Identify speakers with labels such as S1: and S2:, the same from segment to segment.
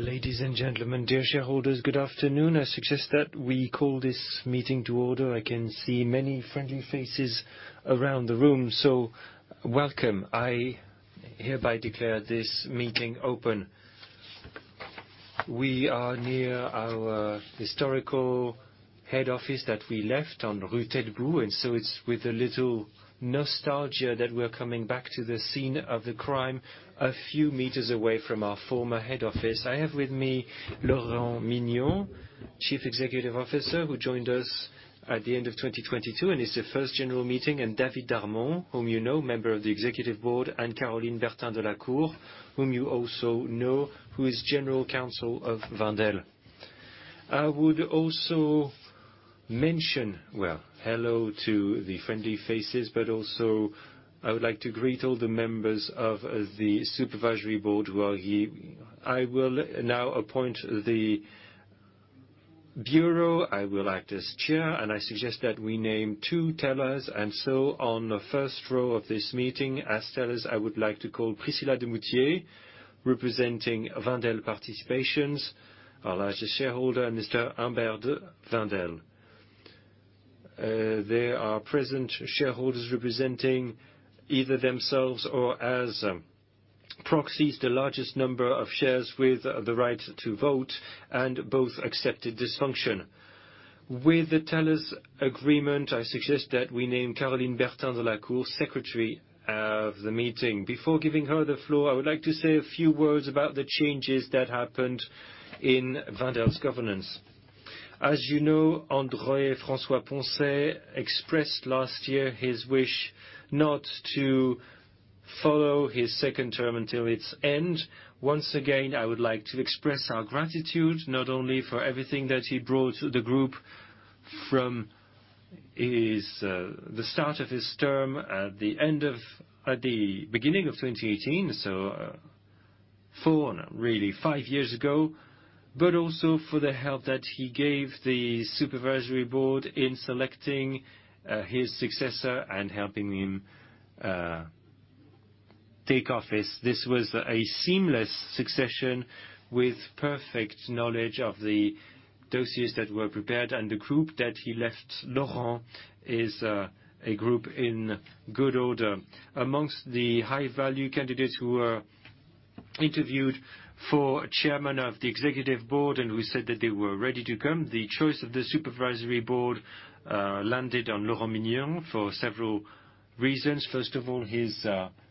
S1: Ladies and gentlemen, dear shareholders, good afternoon. I suggest that we call this meeting to order. I can see many friendly faces around the room, so welcome. I hereby declare this meeting open. We are near our historical head office that we left on rue du Télégraphe, and so it's with a little nostalgia that we're coming back to the scene of the crime, a few meters away from our former head office. I have with me Laurent Mignon, Chief Executive Officer, who joined us at the end of 2022, and it's his first general meeting, and David Darmon, whom you know, Member of the Executive Board, and Caroline Bertin Delacour, whom you also know, who is General Counsel of Wendel. I would also, well, hello to the friendly faces, but also, I would like to greet all the members of the Supervisory Board who are here. I will now appoint the bureau. I will act as chair. I suggest that we name two tellers. On the first row of this meeting, as tellers, I would like to call Priscilla de Moustier, representing Wendel Participations, our largest shareholder, and Mr. Humbert de Wendel. There are present shareholders representing either themselves or as proxies, the largest number of shares with the right to vote. Both accepted this function. With the tellers' agreement, I suggest that we name Caroline Bertin Delacour, Secretary of the meeting. Before giving her the floor, I would like to say a few words about the changes that happened in Wendel's governance. As you know, André François-Poncet expressed last year his wish not to follow his second term until its end. Once again, I would like to express our gratitude, not only for everything that he brought to the group from his, the start of his term, at the beginning of 2018, so, 4, no, really, 5 years ago, but also for the help that he gave the supervisory board in selecting, his successor and helping him, take office. This was a seamless succession with perfect knowledge of the dossiers that were prepared and the group that he left. Laurent is a group in good order. Amongst the high-value candidates who were interviewed for Chairman of the Executive Board and who said that they were ready to come, the choice of the supervisory board, landed on Laurent Mignon for several reasons. First of all, his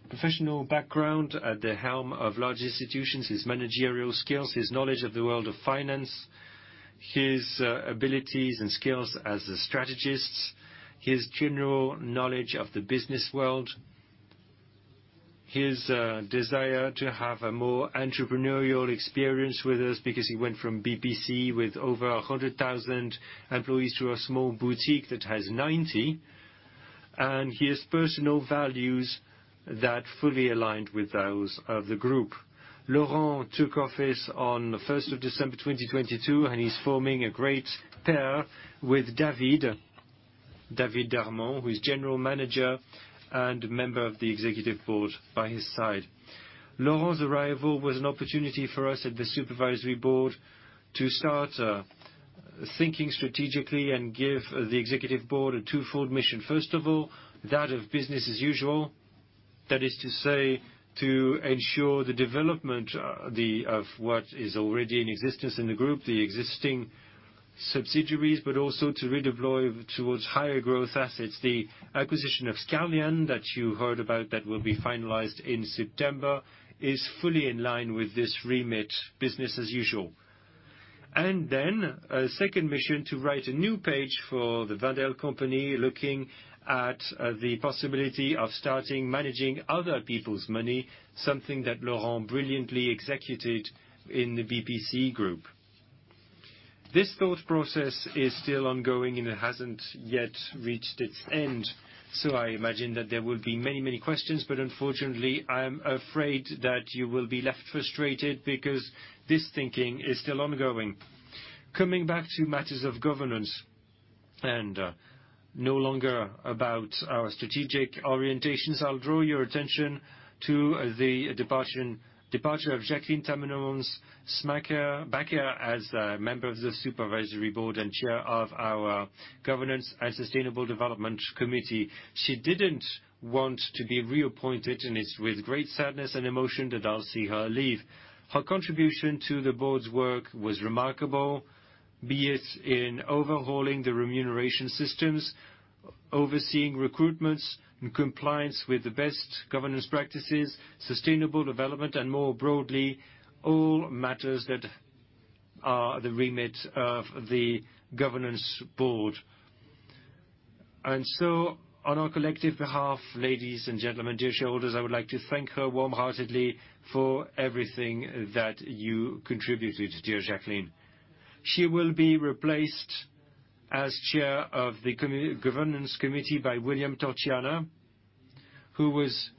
S1: professional background at the helm of large institutions, his managerial skills, his knowledge of the world of finance, his abilities and skills as a strategist, his general knowledge of the business world, his desire to have a more entrepreneurial experience with us, because he went from BPCE with over 100,000 employees, to a small boutique that has 90, and his personal values that fully aligned with those of the group. Laurent took office on the first of December 2022. He's forming a great pair with David Darmon, who is General Manager and member of the executive board, by his side. Laurent's arrival was an opportunity for us at the supervisory board to start thinking strategically and give the executive board a twofold mission. First of all, that of business as usual. That is to say, to ensure the development of what is already in existence in the group, the existing subsidiaries, but also to redeploy towards higher growth assets. The acquisition of Scalian, that you heard about, that will be finalized in September, is fully in line with this remit, business as usual. A second mission, to write a new page for the Wendel company, looking at the possibility of starting managing other people's money, something that Laurent brilliantly executed in the BPCE group. This thought process is still ongoing, and it hasn't yet reached its end, I imagine that there will be many, many questions, unfortunately, I am afraid that you will be left frustrated, because this thinking is still ongoing. Coming back to matters of governance and no longer about our strategic orientations, I'll draw your attention to the departure of Jacqueline Tammenoms Bakker, as a member of the Supervisory Board and chair of our Governance and Sustainability Committee. She didn't want to be reappointed, and it's with great sadness and emotion that I'll see her leave. Her contribution to the board's work was remarkable, be it in overhauling the remuneration systems, overseeing recruitments, and compliance with the best governance practices, sustainable development, and more broadly, all matters that are the remit of the governance board. On our collective behalf, ladies and gentlemen, dear shareholders, I would like to thank her warmheartedly for everything that you contributed, dear Jacqueline. She will be replaced as chair of the Governance Committee by William Torchiana, who was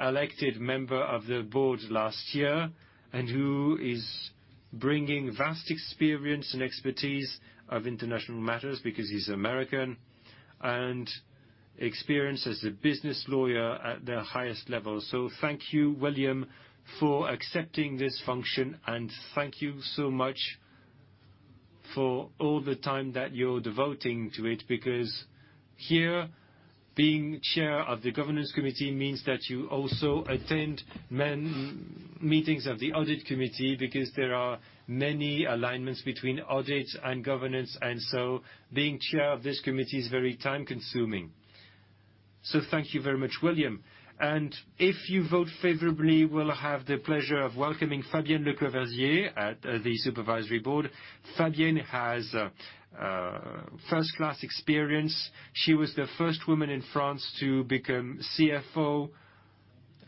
S1: elected member of the board last year, and who is bringing vast experience and expertise of international matters, because he's American, experience as a business lawyer at the highest level. Thank you, William, for accepting this function, and thank you so much for all the time that you're devoting to it, because here, being chair of the governance committee means that you also attend meetings of the audit committee, because there are many alignments between audit and governance, and so being chair of this committee is very time-consuming. Thank you very much, William. If you vote favorably, we'll have the pleasure of welcoming Fabienne Lecorvaisier at the supervisory board. Fabienne has first-class experience. She was the first woman in France to become CFO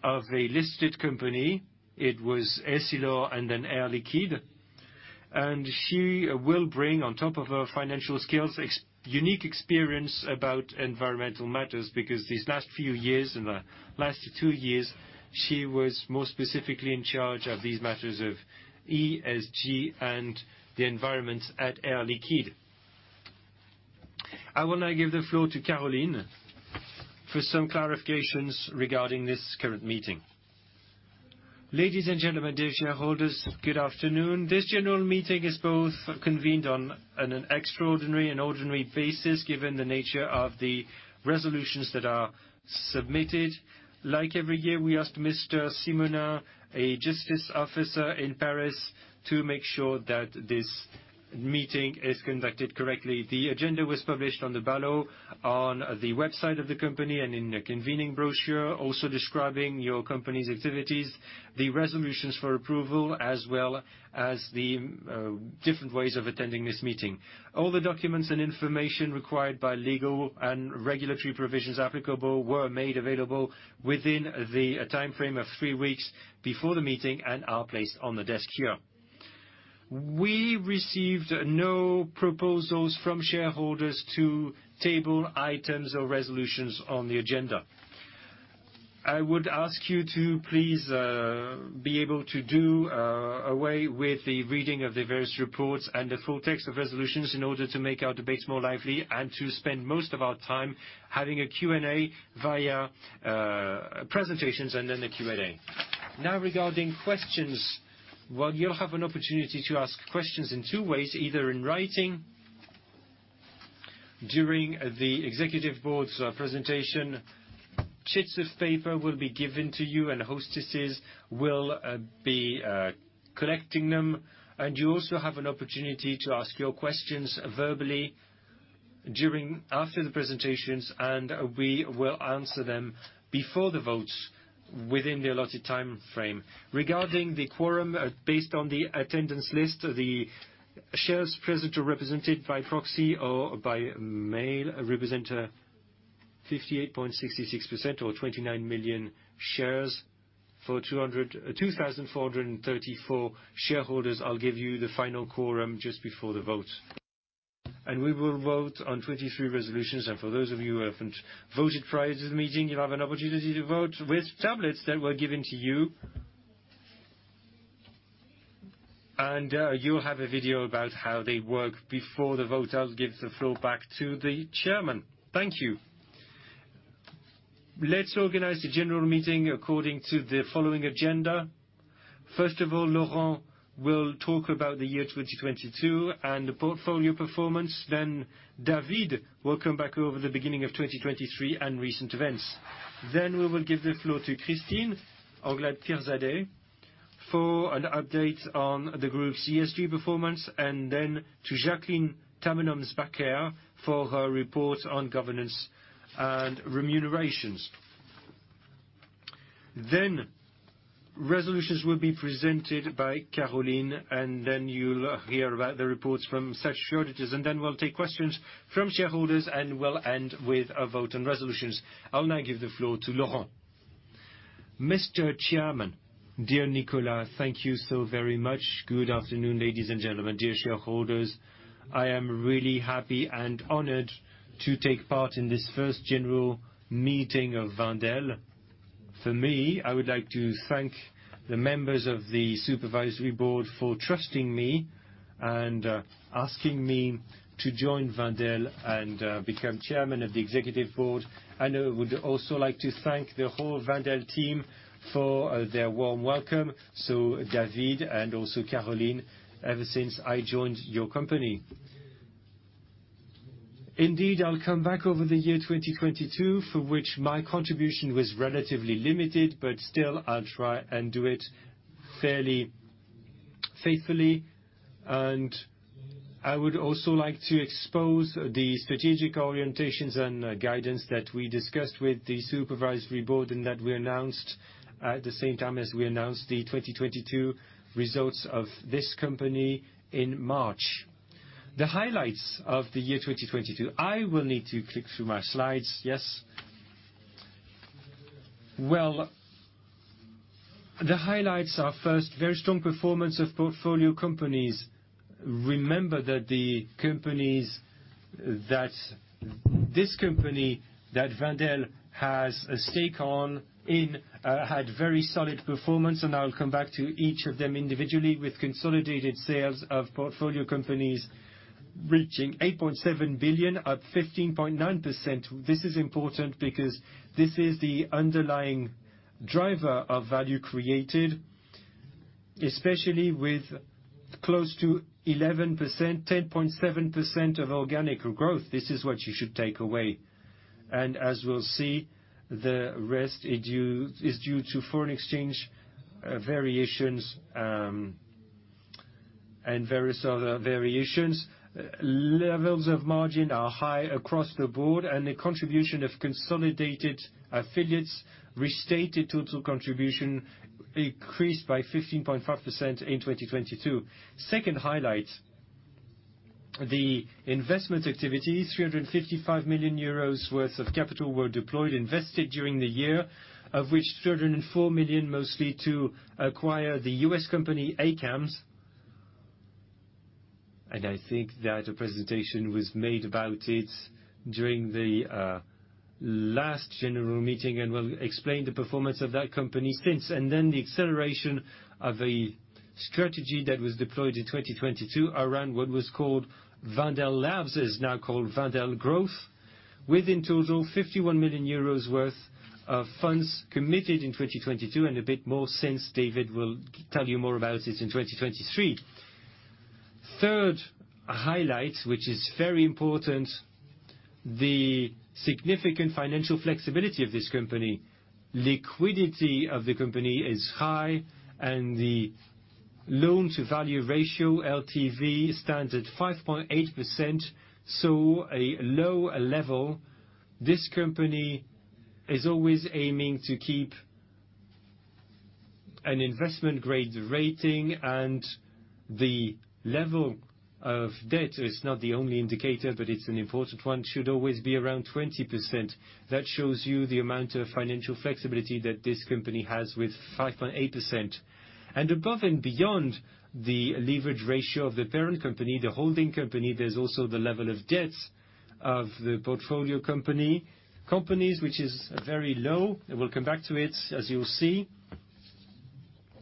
S1: of a listed company. It was Essilor, then Air Liquide. She will bring, on top of her financial skills, unique experience about environmental matters, because these last few years, in the last two years, she was more specifically in charge of these matters of ESG and the environment at Air Liquide. I will now give the floor to Caroline for some clarifications regarding this current meeting. Ladies and gentlemen, dear shareholders, good afternoon. This general meeting is both convened on an extraordinary and ordinary basis, given the nature of the resolutions that are submitted. Like every year, we asked Mr. Simona, a justice officer in Paris, to make sure that this meeting is conducted correctly. The agenda was published on the ballot, on the website of the company, and in the convening brochure, also describing your company's activities, the resolutions for approval, as well as the different ways of attending this meeting. All the documents and information required by legal and regulatory provisions applicable were made available within the timeframe of three weeks before the meeting and are placed on the desk here. We received no proposals from shareholders to table items or resolutions on the agenda. I would ask you to please be able to do away with the reading of the various reports and the full text of resolutions in order to make our debates more lively and to spend most of our time having a Q&A via presentations and then a Q&A. Regarding questions, well, you'll have an opportunity to ask questions in two ways, either in writing during the Executive Board's presentation. Chits of paper will be given to you, and hostesses will be collecting them. You also have an opportunity to ask your questions verbally after the presentations, and we will answer them before the votes, within the allotted timeframe. Regarding the quorum, based on the attendance list, the shares present or represented by proxy or by mail represent 58.66%, or 29 million shares for 2,434 shareholders. I'll give you the final quorum just before the vote. We will vote on 23 resolutions, and for those of you who haven't voted prior to the meeting, you'll have an opportunity to vote with tablets that were given to you. You'll have a video about how they work before the vote. I'll give the floor back to the Chairman. Thank you. Let's organize the general meeting according to the following agenda. First of all, Laurent Mignon will talk about the year 2022 and the portfolio performance. David Darmon will come back over the beginning of 2023 and recent events. We will give the floor to Christine Anglade-Pirzadeh for an update on the group's ESG performance, and then to Jacqueline Tammenoms Bakker for her report on governance and remunerations. Resolutions will be presented by Caroline Bertin Delacour, and then you'll hear about the reports from such shareholders, and then we'll take questions from shareholders, and we'll end with a vote on resolutions. I'll now give the floor to Laurent Mignon.
S2: Mr. Chairman, dear Nicolas ver Hulst, thank you so very much. Good afternoon, ladies and gentlemen, dear shareholders. I am really happy and honored to take part in this first general meeting of Wendel. For me, I would like to thank the members of the supervisory board for trusting me and asking me to join Wendel and become chairman of the executive board. I would also like to thank the whole Wendel team for their warm welcome, so David and also Caroline, ever since I joined your company. Indeed, I'll come back over the year 2022, for which my contribution was relatively limited, but still, I'll try and do it fairly faithfully. I would also like to expose the strategic orientations and guidance that we discussed with the supervisory board and that we announced at the same time as we announced the 2022 results of this company in March. The highlights of the year 2022... I will need to click through my slides, yes. Well, the highlights are, first, very strong performance of portfolio companies. Remember that the companies that Wendel has a stake on, in, had very solid performance, and I'll come back to each of them individually, with consolidated sales of portfolio companies reaching 8.7 billion at 15.9%. This is important because this is the underlying driver of value created, especially with close to 11%, 10.7% of organic growth. This is what you should take away. As we'll see, the rest is due to foreign exchange variations and various other variations. Levels of margin are high across the board, and the contribution of consolidated affiliates restated total contribution increased by 15.5% in 2022. Second highlight, the investment activity, 355 million euros worth of capital were deployed, invested during the year, of which 304 million mostly to acquire the U.S. company, ACAMS. I think that a presentation was made about it during the last general meeting, and we'll explain the performance of that company since. Then the acceleration of a strategy that was deployed in 2022 around what was called Wendel Lab, is now called Wendel Growth, with in total 51 million euros worth of funds committed in 2022, and a bit more since. David will tell you more about this in 2023. Third highlight, which is very important, the significant financial flexibility of this company. Liquidity of the company is high, and the loan-to-value ratio, LTV, stands at 5.8%, so a low level. This company is always aiming to keep an investment-grade rating, and the level of debt is not the only indicator, but it's an important one, should always be around 20%. That shows you the amount of financial flexibility that this company has with 5.8%. Above and beyond the leverage ratio of the parent company, the holding company, there's also the level of debts of the portfolio companies, which is very low. We'll come back to it, as you'll see.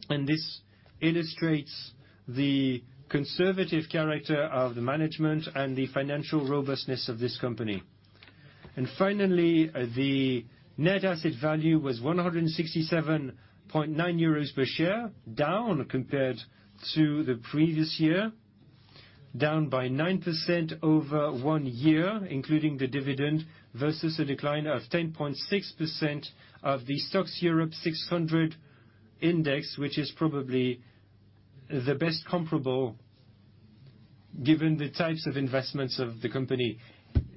S2: This illustrates the conservative character of the management and the financial robustness of this company. Finally, the net asset value was 167.9 euros per share, down compared to the previous year, down by 9% over one year, including the dividend, versus a decline of 10.6% of the STOXX Europe 600 index, which is probably the best comparable, given the types of investments of the company.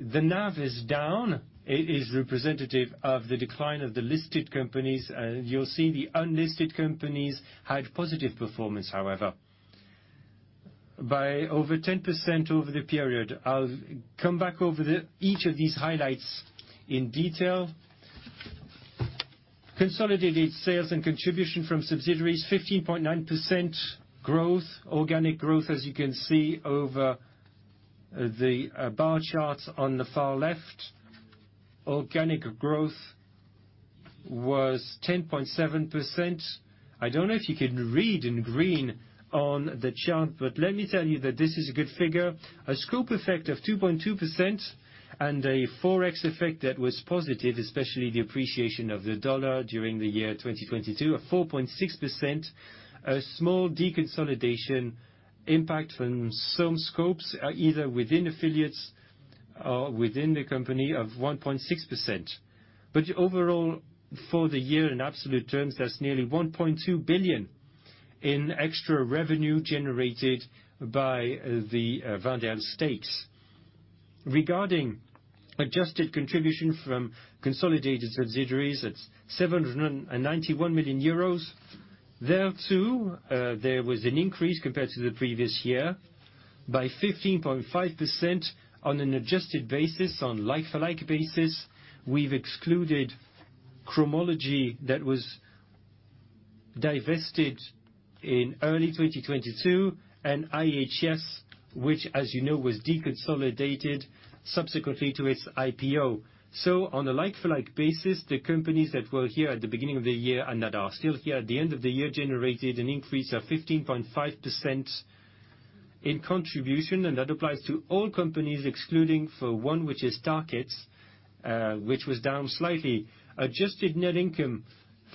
S2: The NAV is down. It is representative of the decline of the listed companies. You'll see the unlisted companies had positive performance, however, by over 10% over the period. I'll come back each of these highlights in detail. Consolidated sales and contribution from subsidiaries, 15.9% growth. Organic growth, as you can see over the bar charts on the far left, organic growth was 10.7%. I don't know if you can read in green on the chart, let me tell you that this is a good figure. A scope effect of 2.2% and a forex effect that was positive, especially the appreciation of the dollar during the year 2022, of 4.6%. A small deconsolidation impact from some scopes, either within affiliates or within the company of 1.6%. Overall, for the year, in absolute terms, that's nearly 1.2 billion in extra revenue generated by the Wendel stakes. Regarding adjusted contribution from consolidated subsidiaries, it's 791 million euros. There, too, there was an increase compared to the previous year by 15.5% on an adjusted basis, on like-for-like basis. We've excluded Cromology that was divested in early 2022, and IHS, which, as you know, was deconsolidated subsequently to its IPO. On a like-for-like basis, the companies that were here at the beginning of the year and that are still here at the end of the year, generated an increase of 15.5% in contribution, and that applies to all companies, excluding for one, which is Tarkett, which was down slightly. Adjusted net income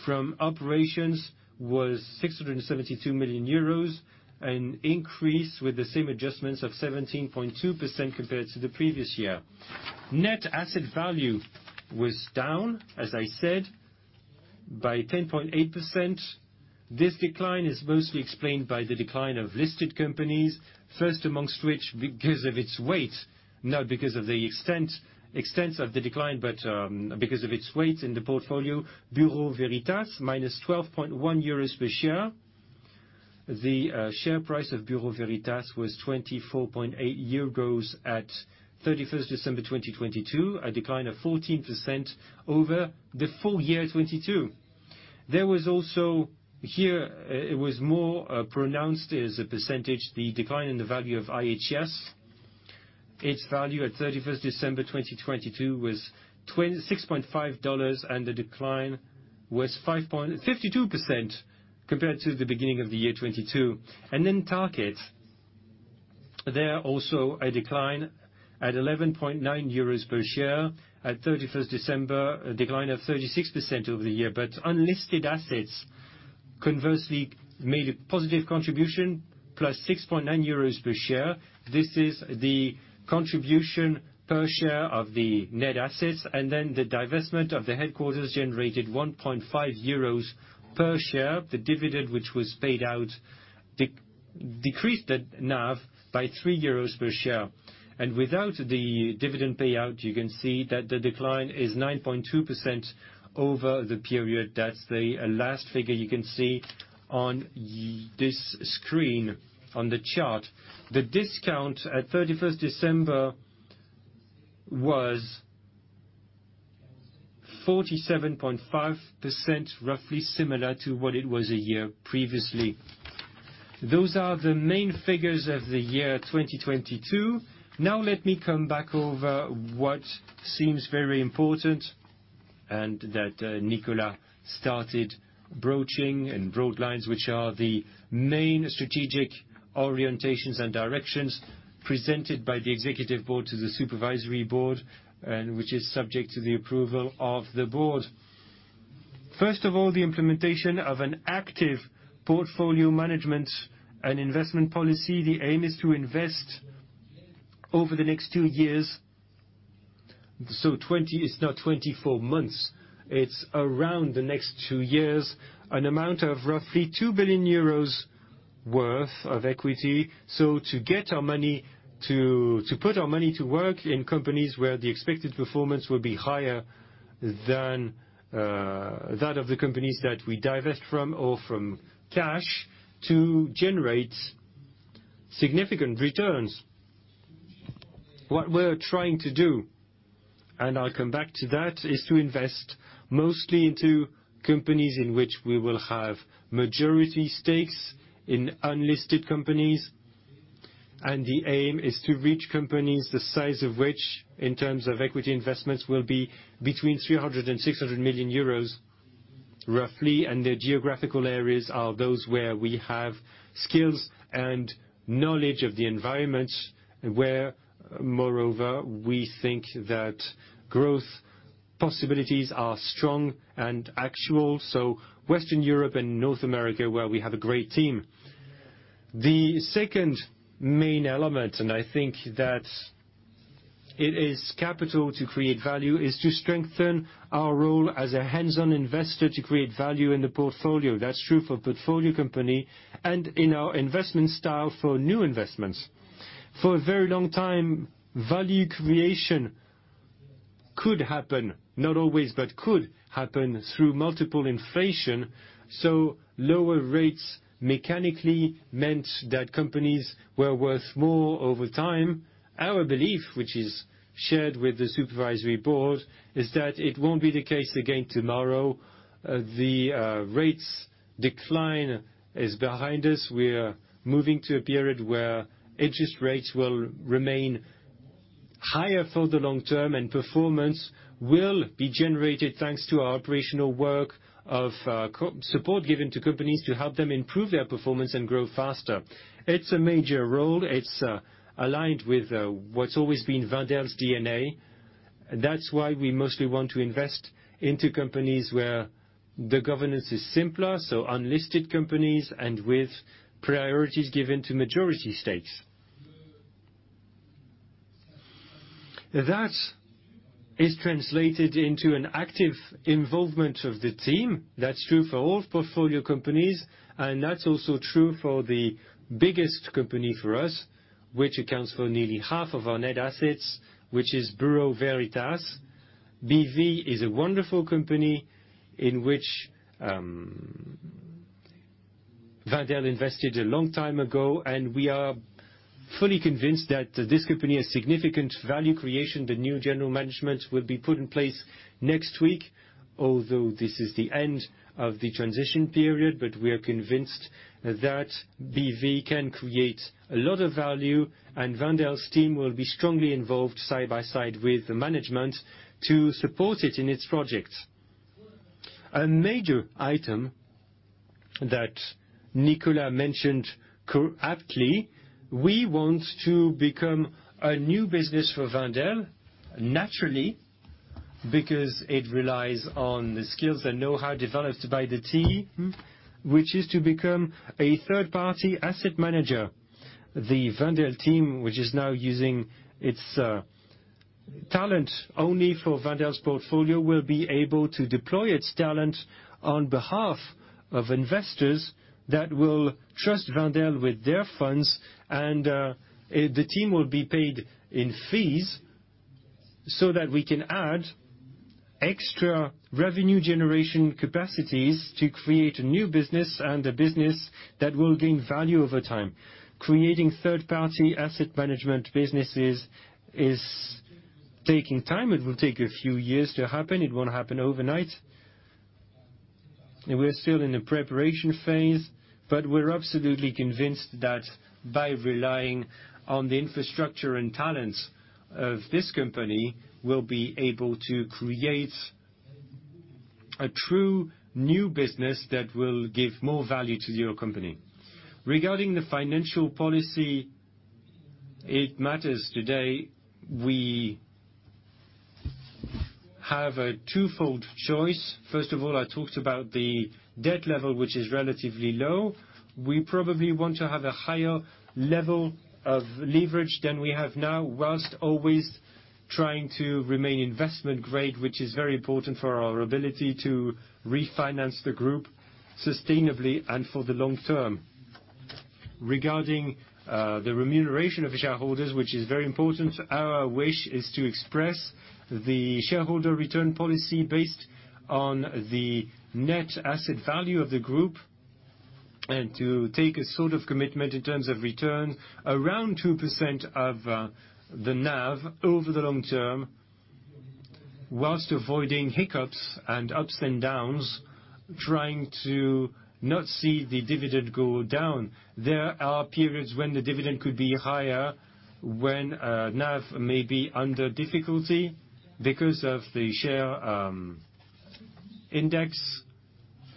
S2: from operations was 672 million euros, an increase with the same adjustments of 17.2% compared to the previous year. Net asset value was down, as I said, by 10.8%. This decline is mostly explained by the decline of listed companies, first amongst which, because of its weight, not because of the extent of the decline, but because of its weight in the portfolio. Bureau Veritas, minus 12.1 euros per share. The share price of Bureau Veritas was 24.8 euros at 31st December 2022, a decline of 14% over the full year 2022. There was also. Here, it was more pronounced as a percentage, the decline in the value of IHS. Its value at 31st December 2022 was $6.5, and the decline was 5.52% compared to the beginning of the year 2022. Tarkett, there also a decline at 11.9 euros per share at 31st December, a decline of 36% over the year. Unlisted assets, conversely, made a positive contribution, + 6.9 euros per share. This is the contribution per share of the net assets, then the divestment of the headquarters generated 1.5 euros per share. The dividend, which was paid out, decreased the NAV by 3 euros per share. Without the dividend payout, you can see that the decline is 9.2% over the period. That's the last figure you can see on this screen, on the chart. The discount at 31st December was 47.5%, roughly similar to what it was a year previously. Those are the main figures of the year 2022. Let me come back over what seems very important, and that Nicolas started broaching in broad lines, which are the main strategic orientations and directions presented by the Executive Board to the Supervisory Board, and which is subject to the approval of the Board. First of all, the implementation of an active portfolio management and investment policy. The aim is to invest over the next 2 years, so 20, it's not 24 months, it's around the next 2 years, an amount of roughly 2 billion euros worth of equity. To get our money to put our money to work in companies where the expected performance will be higher than that of the companies that we divest from or from cash to generate significant returns. What we're trying to do, and I'll come back to that, is to invest mostly into companies in which we will have majority stakes in unlisted companies. The aim is to reach companies, the size of which, in terms of equity investments, will be between 300 million-600 million euros, roughly. The geographical areas are those where we have skills and knowledge of the environment, and where, moreover, we think that growth possibilities are strong and actual, so Western Europe and North America, where we have a great team. The second main element, and I think that it is capital to create value, is to strengthen our role as a hands-on investor to create value in the portfolio. That's true for portfolio company and in our investment style for new investments. For a very long time, value creation could happen, not always, but could happen through multiple inflation. Lower rates mechanically meant that companies were worth more over time. Our belief, which is shared with the Supervisory Board, is that it won't be the case again tomorrow. The rates decline is behind us. We are moving to a period where interest rates will remain higher for the long term, and performance will be generated thanks to our operational work of support given to companies to help them improve their performance and grow faster. It's a major role. It's aligned with what's always been Wendel's DNA. We mostly want to invest into companies where the governance is simpler, so unlisted companies, and with priorities given to majority stakes. That is translated into an active involvement of the team. That's true for all portfolio companies, and that's also true for the biggest company for us, which accounts for nearly half of our net assets, which is Bureau Veritas. BV is a wonderful company in which Wendel invested a long time ago, and we are fully convinced that this company has significant value creation. The new general management will be put in place next week, although this is the end of the transition period. We are convinced that BV can create a lot of value, and Wendel's team will be strongly involved side by side with the management to support it in its projects. A major item that Nicolas mentioned aptly, we want to become a new business for Wendel, naturally, because it relies on the skills and know-how developed by the team, which is to become a third-party asset manager. The Wendel team, which is now using its talent only for Wendel's portfolio, will be able to deploy its talent on behalf of investors that will trust Wendel with their funds. The team will be paid in fees so that we can add extra revenue generation capacities to create a new business and a business that will gain value over time. Creating third-party asset management businesses is taking time. It will take a few years to happen. It won't happen overnight. We're still in the preparation phase, but we're absolutely convinced that by relying on the infrastructure and talents of this company, we'll be able to create a true new business that will give more value to your company. Regarding the financial policy, it matters today. We have a twofold choice. First of all, I talked about the debt level, which is relatively low. We probably want to have a higher level of leverage than we have now, whilst always trying to remain investment grade, which is very important for our ability to refinance the group sustainably and for the long term. Regarding the remuneration of the shareholders, which is very important, our wish is to express the shareholder return policy based on the net asset value of the group, and to take a sort of commitment in terms of return, around 2% of the NAV over the long term, whilst avoiding hiccups and ups and downs, trying to not see the dividend go down. There are periods when the dividend could be higher, when NAV may be under difficulty because of the share index.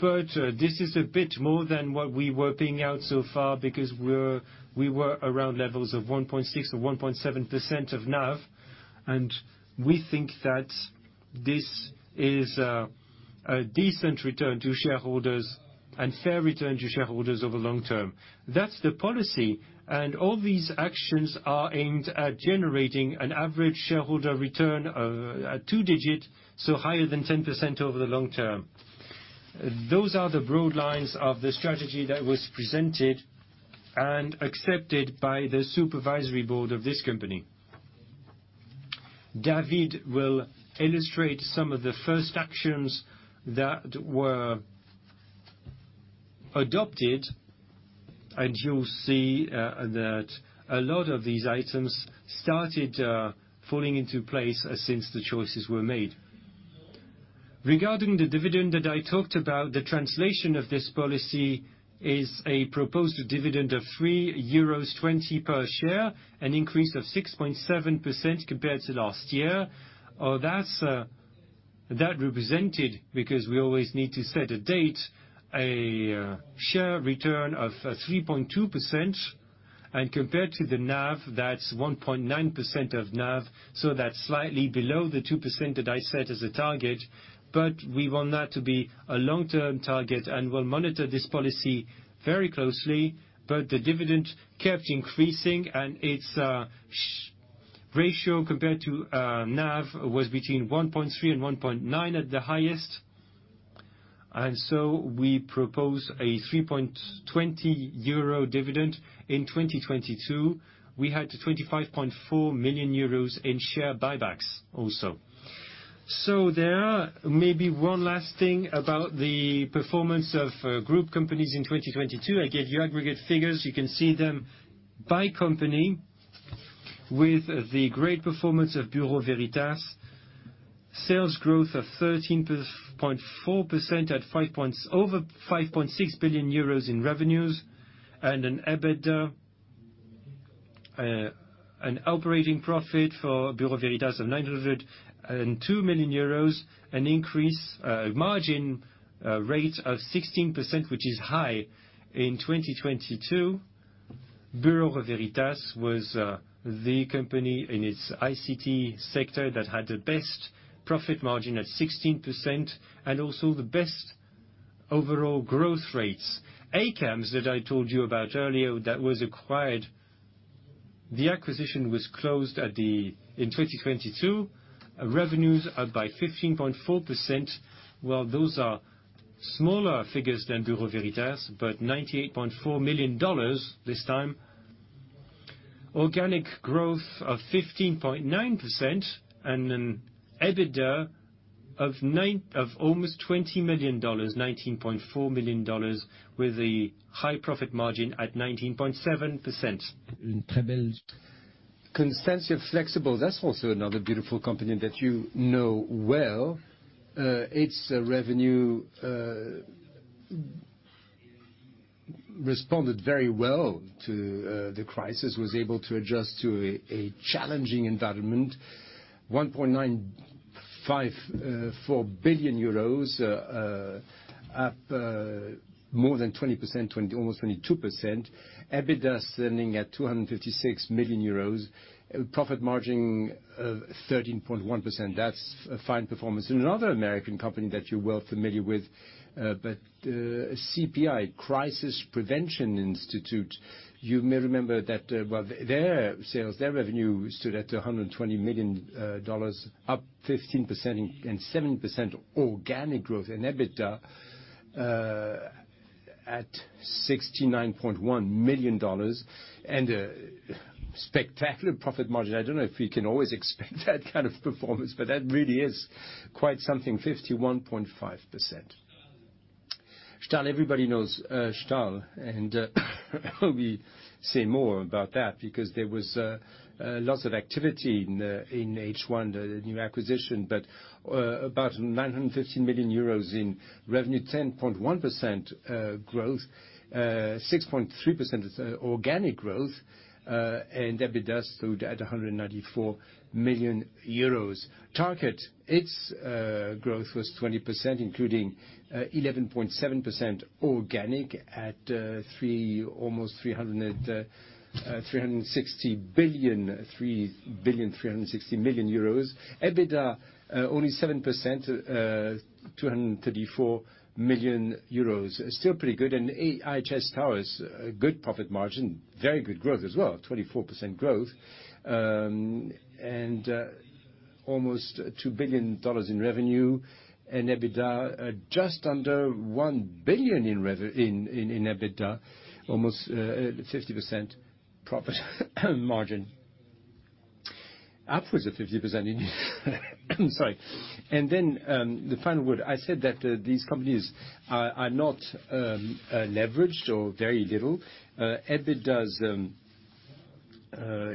S2: This is a bit more than what we were paying out so far, because we were around levels of 1.6 or 1.7% of NAV, and we think that this is a decent return to shareholders and fair return to shareholders over long term. That's the policy, and all these actions are aimed at generating an average shareholder return of a two-digit, so higher than 10% over the long term. Those are the broad lines of the strategy that was presented and accepted by the supervisory board of this company. David will illustrate some of the first actions that were adopted, and you'll see that a lot of these items started falling into place since the choices were made. Regarding the dividend that I talked about, the translation of this policy is a proposed dividend of 3.20 euros per share, an increase of 6.7% compared to last year. That's that represented, because we always need to set a date, a share return of 3.2%, and compared to the NAV, that's 1.9% of NAV, so that's slightly below the 2% that I set as a target. We want that to be a long-term target, and we'll monitor this policy very closely. The dividend kept increasing, and its ratio compared to NAV, was between 1.3% and 1.9% at the highest. We propose a 3.20 euro dividend. In 2022, we had 25.4 million euros in share buybacks also. There are maybe one last thing about the performance of group companies in 2022. I gave you aggregate figures. You can see them by company with the great performance of Bureau Veritas. Sales growth of 13.4% at over 5.6 billion euros in revenues and an EBITDA, an operating profit for Bureau Veritas of 902 million euros. An increase rate of 16%, which is high. In 2022, Bureau Veritas was the company in its ICT sector that had the best profit margin at 16%, and also the best overall growth rates. ACAMS, that I told you about earlier, that was acquired, the acquisition was closed in 2022. Revenues are by 15.4%, while those are smaller figures than Bureau Veritas, but $98.4 million this time. Organic growth of 15.9% and an EBITDA of almost $20 million, $19.4 million, with a high profit margin at 19.7%. Constantia Flexibles, that's also another beautiful company that you know well. Its revenue responded very well to the crisis, was able to adjust to a challenging environment. 1.954 billion euros, up more than 20%, almost 22%. EBITDA standing at 256 million euros. Profit margin of 13.1%. That's a fine performance. Another American company that you're well familiar with, but CPI, Crisis Prevention Institute, you may remember that, well, their sales, their revenue stood at $120 million, up 15% and 7% organic growth in EBITDA, at $69.1 million and a spectacular profit margin. I don't know if we can always expect that kind of performance, but that really is quite something, 51.5%. Stahl, everybody knows Stahl. We say more about that because there was lots of activity in H1, the new acquisition, about 915 million euros in revenue, 10.1% growth, 6.3% is organic growth, and EBITDA stood at 194 million euros. Target, its growth was 20%, including 11.7% organic at EUR 3 billion 360 million. EBITDA, only 7%, 234 million euros. Still pretty good, IHS Towers, good profit margin, very good growth as well, 24% growth, almost $2 billion in revenue, and EBITDA just under $1 billion in EBITDA, almost 50% profit margin. Upwards of 50%. I'm sorry. The final word, I said that these companies are not leveraged or very little. EBITDA,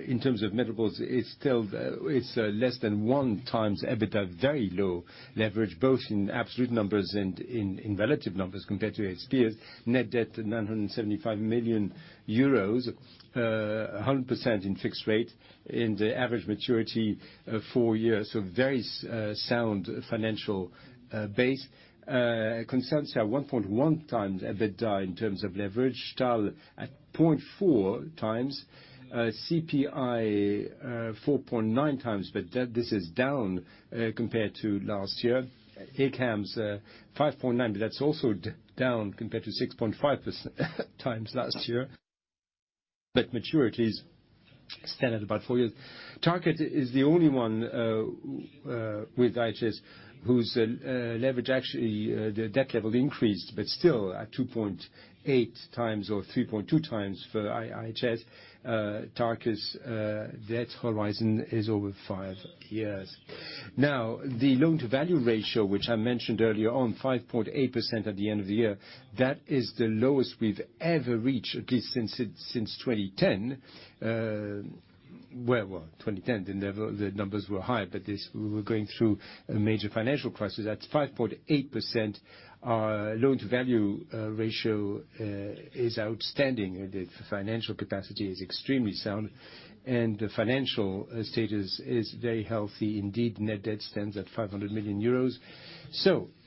S2: in terms of medicals, it's still less than 1x EBITDA, very low leverage, both in absolute numbers and in relative numbers compared to its peers. Net debt, 975 million euros, 100% in fixed rate, in the average maturity of 4 years, very sound financial base. Constantia, 1.1 times EBITDA in terms of leverage, Stahl at 0.4 times, CPI, 4.9 times, this is down compared to last year. ACAMS, 5.9, that's also down compared to 6.5 times last year. Maturities stand at about 4 years. Tarkett is the only one with IHS, whose leverage, actually, the debt level increased, still at 2.8 times or 3.2 times for IHS. Tarkett's debt horizon is over 5 years. The loan-to-value ratio, which I mentioned earlier on, 5.8% at the end of the year, that is the lowest we've ever reached, at least since 2010. Well, 2010, the numbers were high, but this, we were going through a major financial crisis. At 5.8%, our loan-to-value ratio is outstanding. The financial capacity is extremely sound, and the financial status is very healthy indeed. Net debt stands at 500 million euros.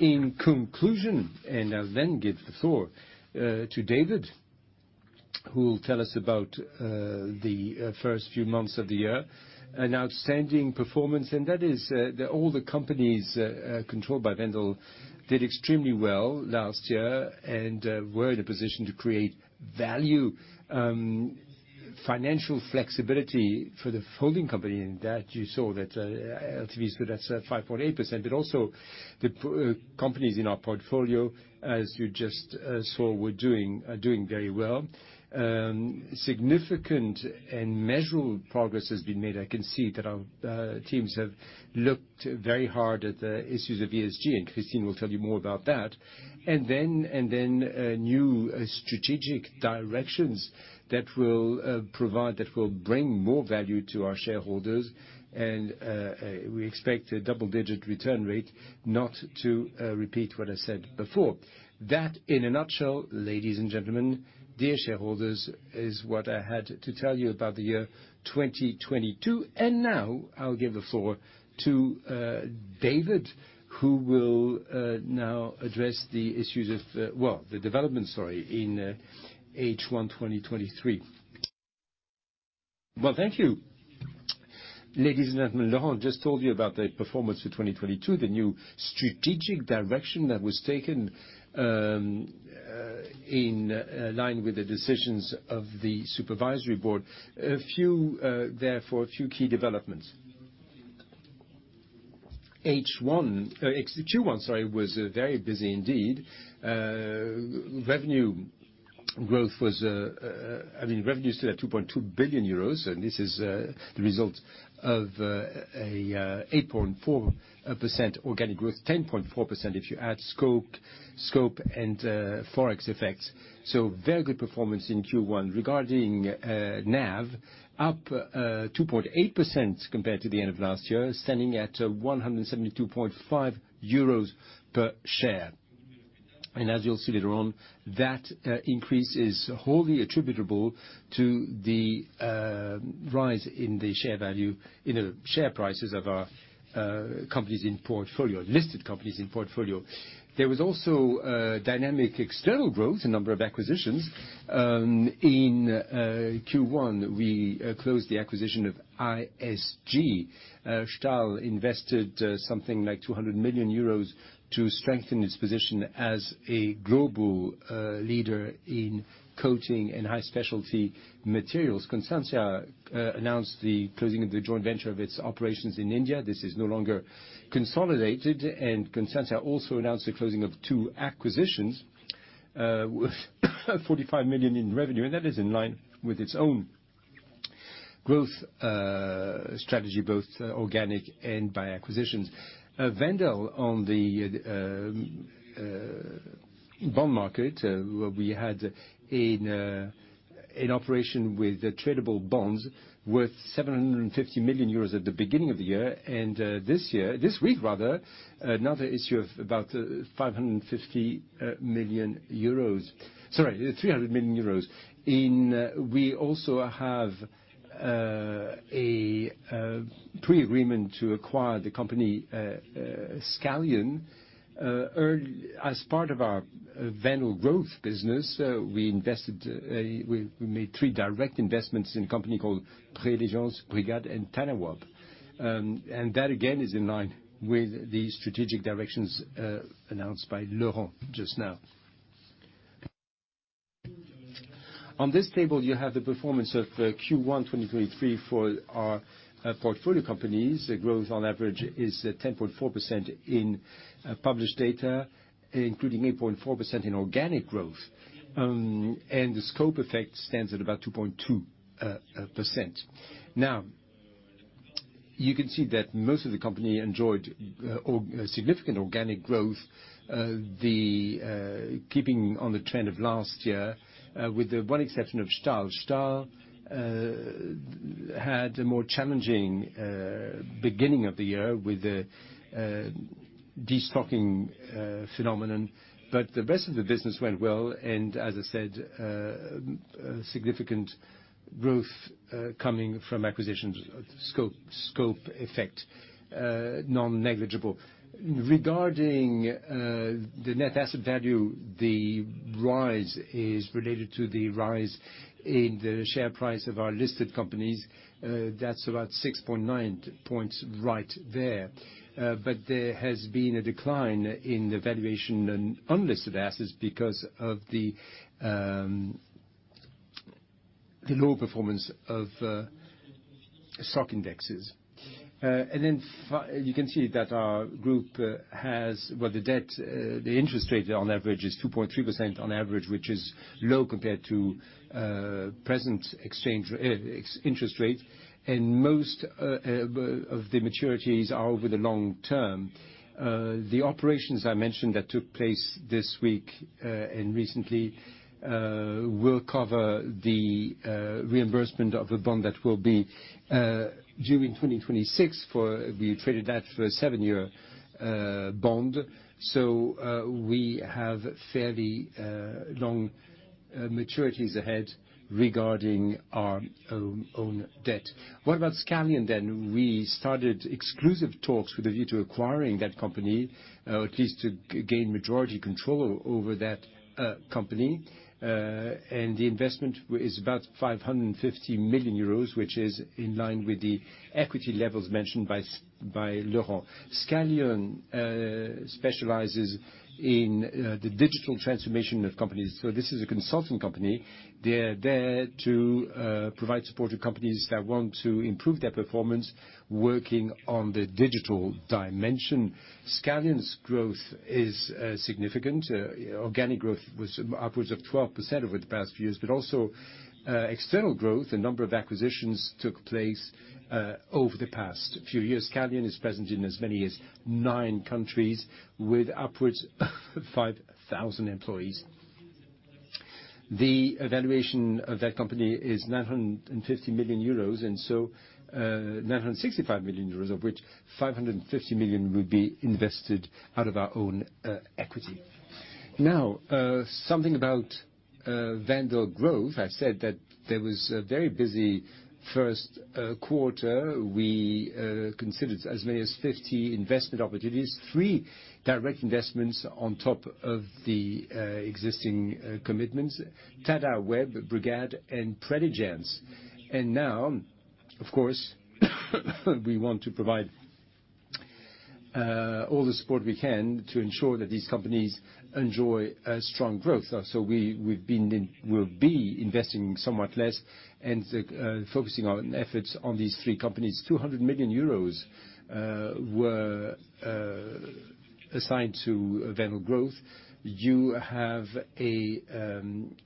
S2: In conclusion, and I'll then give the floor to David, who will tell us about the first few months of the year. An outstanding performance, that all the companies controlled by Wendel did extremely well last year and were in a position to create value, financial flexibility for the holding company, and that you saw that LTVs were at 5.8%, but also the companies in our portfolio, as you just saw, are doing very well. Significant and measurable progress has been made. I can see that our teams have looked very hard at the issues of ESG, Christine will tell you more about that. New strategic directions that will bring more value to our shareholders, we expect a double-digit return rate, not to repeat what I said before. That, in a nutshell, ladies and gentlemen, dear shareholders, is what I had to tell you about the year 2022. Now, I'll give the floor to David, who will now address the issues of, well, the development, sorry, in H1 2023.
S3: Well, thank you. Ladies and gentlemen, Laurent just told you about the performance of 2022, the new strategic direction that was taken in line with the decisions of the Supervisory Board. A few, therefore, a few key developments. H1, Q1, sorry, was very busy indeed. Revenue growth was, I mean, revenue's still at 2.2 billion euros, this is the result of a 8.4% organic growth, 10.4% if you add scope and Forex effects. Very good performance in Q1. Regarding NAV, up 2.8% compared to the end of last year, standing at 172.5 euros per share. As you'll see later on, that increase is wholly attributable to the rise in the share value, in the share prices of our companies in portfolio, listed companies in portfolio. There was also dynamic external growth, a number of acquisitions. In Q1, we closed the acquisition of ISG. Stahl invested something like 200 million euros to strengthen its position as a global leader in coating and high specialty materials. Constantia announced the closing of the joint venture of its operations in India. This is no longer consolidated. Constantia also announced the closing of 2 acquisitions with 45 million in revenue, and that is in line with its. growth strategy, both organic and by acquisitions. Wendel, on the bond market, where we had an operation with tradable bonds worth 750 million euros at the beginning of the year, this year, this week rather, another issue of about 550 million euros. Sorry, 300 million euros. We also have a pre-agreement to acquire the company Scalian. As part of our Wendel Growth business, we invested, we made three direct investments in a company called Preligens, Brigad, and Tadaweb. That, again, is in line with the strategic directions announced by Laurent just now. On this table, you have the performance of Q1 2023 for our portfolio companies. The growth on average is 10.4% in published data, including 8.4% in organic growth, and the scope effect stands at about 2.2%. You can see that most of the company enjoyed significant organic growth, keeping on the trend of last year, with the one exception of Stahl. Stahl had a more challenging beginning of the year with the destocking phenomenon, but the rest of the business went well, and as I said, significant growth coming from acquisitions, scope effect, non-negligible. Regarding the net asset value, the rise is related to the rise in the share price of our listed companies. That's about 6.9 points right there. There has been a decline in the valuation in unlisted assets because of the low performance of stock indexes. You can see that our group has... Well, the debt, the interest rate on average is 2.3% on average, which is low compared to present exchange interest rates, and most of the maturities are over the long term. The operations I mentioned that took place this week and recently will cover the reimbursement of a bond that will be during 2026, for we traded that for a 7-year bond. We have fairly long maturities ahead regarding our own debt. What about Scalian then? We started exclusive talks with a view to acquiring that company, at least to gain majority control over that company. The investment is about 550 million euros, which is in line with the equity levels mentioned by Laurent. Scalian specializes in the digital transformation of companies. This is a consulting company. They're there to provide support to companies that want to improve their performance, working on the digital dimension. Scalian's growth is significant. Organic growth was upwards of 12% over the past few years, but also external growth. A number of acquisitions took place over the past few years. Scalian is present in as many as nine countries, with upwards of 5,000 employees. The valuation of that company is 950 million euros, 965 million euros, of which 550 million would be invested out of our own equity. Something about Wendel Growth. I said that there was a very busy first quarter. We considered as many as 50 investment opportunities, 3 direct investments on top of the existing commitments, Tadaweb, Brigad, and Preligens. Of course, we want to provide all the support we can to ensure that these companies enjoy a strong growth. So we'll be investing somewhat less and focusing our efforts on these three companies. 200 million euros were assigned to Wendel Growth. You have a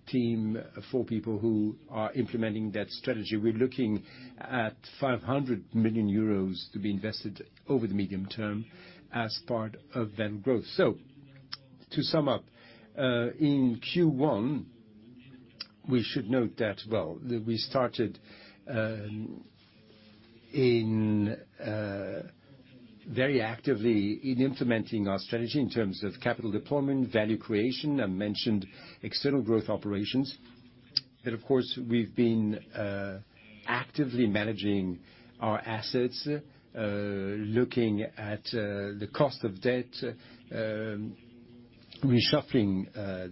S3: team of 4 people who are implementing that strategy. We're looking at 500 million euros to be invested over the medium term as part of Wendel Growth. To sum up, in Q1, we should note that, well, that we started very actively in implementing our strategy in terms of capital deployment, value creation, I mentioned external growth operations. Of course, we've been actively managing our assets, looking at the cost of debt, reshuffling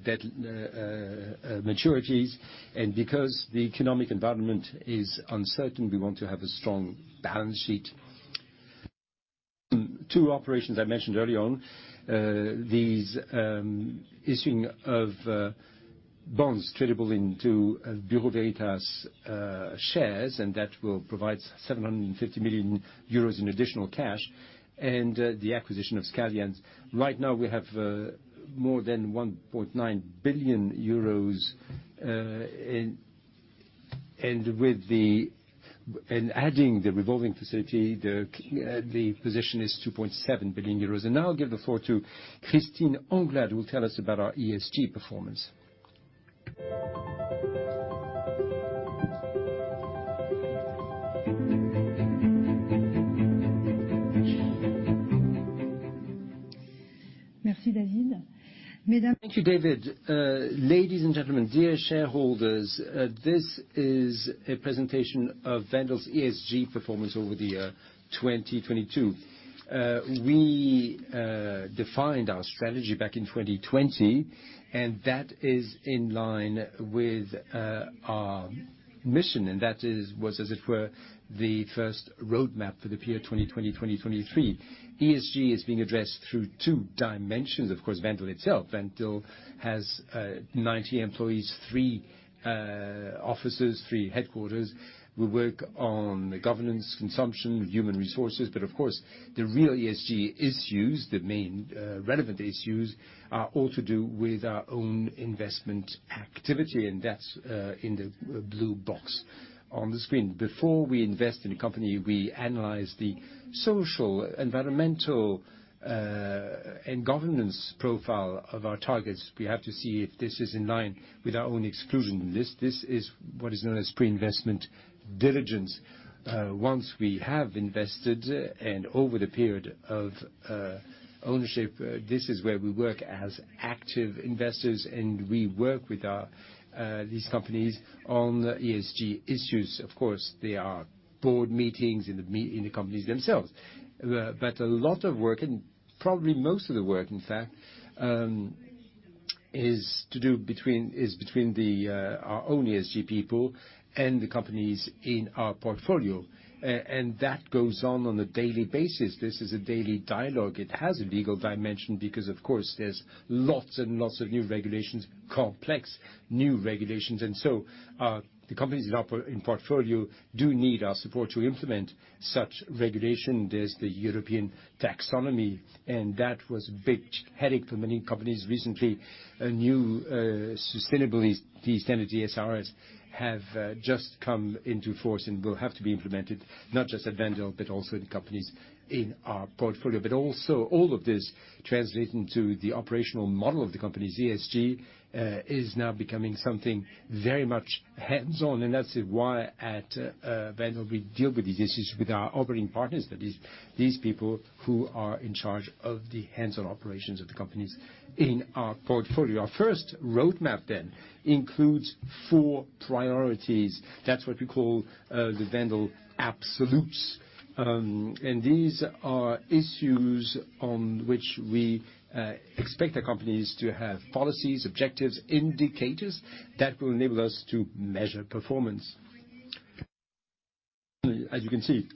S3: debt maturities. Because the economic environment is uncertain, we want to have a strong balance sheet. Two operations I mentioned early on, these issuing of bonds tradable into Bureau Veritas shares, and that will provide 750 million euros in additional cash, and the acquisition of Scalian. Right now, we have more than 1.9 billion euros. With the, and adding the revolving facility, the position is €2.7 billion. Now I'll give the floor to Christine Anglade, who will tell us about our ESG performance.
S4: Merci, David. Thank you, David. Ladies and gentlemen, dear shareholders, this is a presentation of Wendel's ESG performance over the year 2022. We defined our strategy back in 2020, and that is in line with our mission, and that is, as it were, the first roadmap for the period 2020-2023. ESG is being addressed through two dimensions. Of course, Wendel itself, Wendel has 90 employees, 3 offices, 3 headquarters. We work on the governance, consumption, human resources, Of course, the real ESG issues, the main relevant issues, are all to do with our own investment activity. That's in the blue box on the screen. Before we invest in a company, we analyze the social, environmental and governance profile of our targets. We have to see if this is in line with our own exclusion list. This is what is known as pre-investment diligence. Once we have invested, over the period of ownership, this is where we work as active investors. We work with our these companies on ESG issues. Of course, there are board meetings in the companies themselves. A lot of work, and probably most of the work, in fact, is between the our own ESG people and the companies in our portfolio. That goes on on a daily basis. This is a daily dialogue. It has a legal dimension because, of course, there's lots and lots of new regulations, complex, new regulations. The companies in our portfolio do need our support to implement such regulation. There's the European taxonomy. That was a big headache for many companies. Recently, a new sustainability standard, European Sustainability Reporting Standards, have just come into force and will have to be implemented, not just at Wendel, but also in companies in our portfolio. All of this translating to the operational model of the company's ESG is now becoming something very much hands-on, and that's why at Wendel, we deal with this is with our operating partners, that is these people who are in charge of the hands-on operations of the companies in our portfolio. Our first roadmap includes 4 priorities. That's what we call the Wendel absolutes. These are issues on which we expect the companies to have policies, objectives, indicators that will enable us to measure performance. As you can see,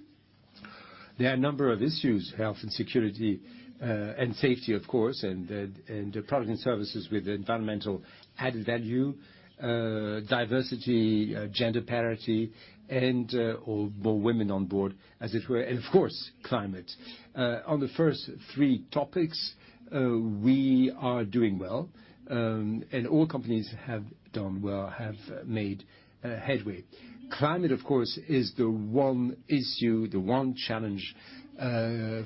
S4: there are a number of issues, health and security, and safety, of course, and products and services with environmental added value, diversity, gender parity, or more women on board, as it were, and of course, climate. On the first three topics, we are doing well, all companies have done well, have made headway. Climate, of course, is the one issue, the one challenge,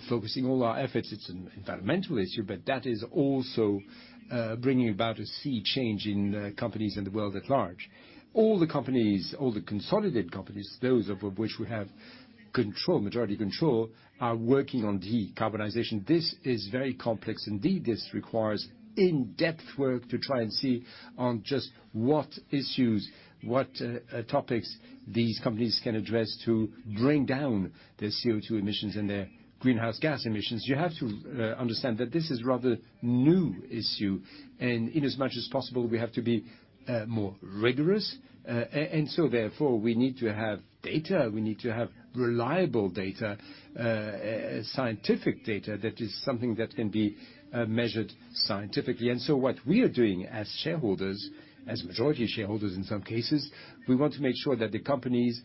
S4: focusing all our efforts. It's an environmental issue, that is also bringing about a sea change in companies and the world at large. All the companies, all the consolidated companies, those of which we have control, majority control, are working on decarbonization. This is very complex indeed. This requires in-depth work to try and see on just what issues, what topics these companies can address to bring down their CO2 emissions and their greenhouse gas emissions. You have to understand that this is rather new issue, and in as much as possible, we have to be more rigorous, and so therefore, we need to have data, we need to have reliable data, scientific data that is something that can be measured scientifically. What we are doing as shareholders, as majority shareholders, in some cases, we want to make sure that the companies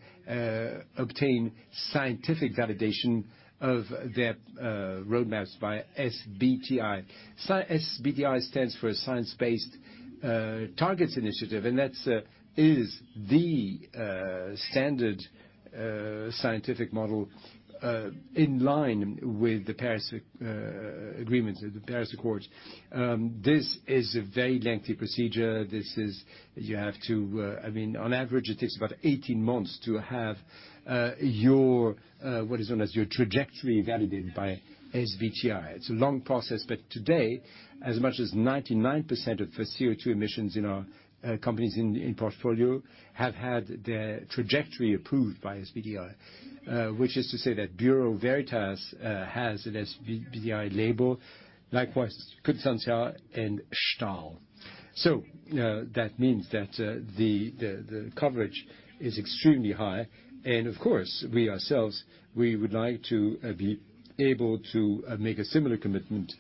S4: obtain scientific validation of their roadmaps by SBTI. SBTI stands for Science Based Targets initiative, and that's is the standard scientific model in line with the Paris Agreement, the Paris Accords. This is a very lengthy procedure. You have to, I mean, on average, it takes about 18 months to have your what is known as your trajectory validated by SBTI. Today, as much as 99% of the CO2 emissions in our companies in portfolio have had their trajectory approved by SBTI. Which is to say that Bureau Veritas has an SBTI label, likewise, Constantia and Stahl. That means that the coverage is extremely high, and of course, we ourselves would like to be able to make a similar commitment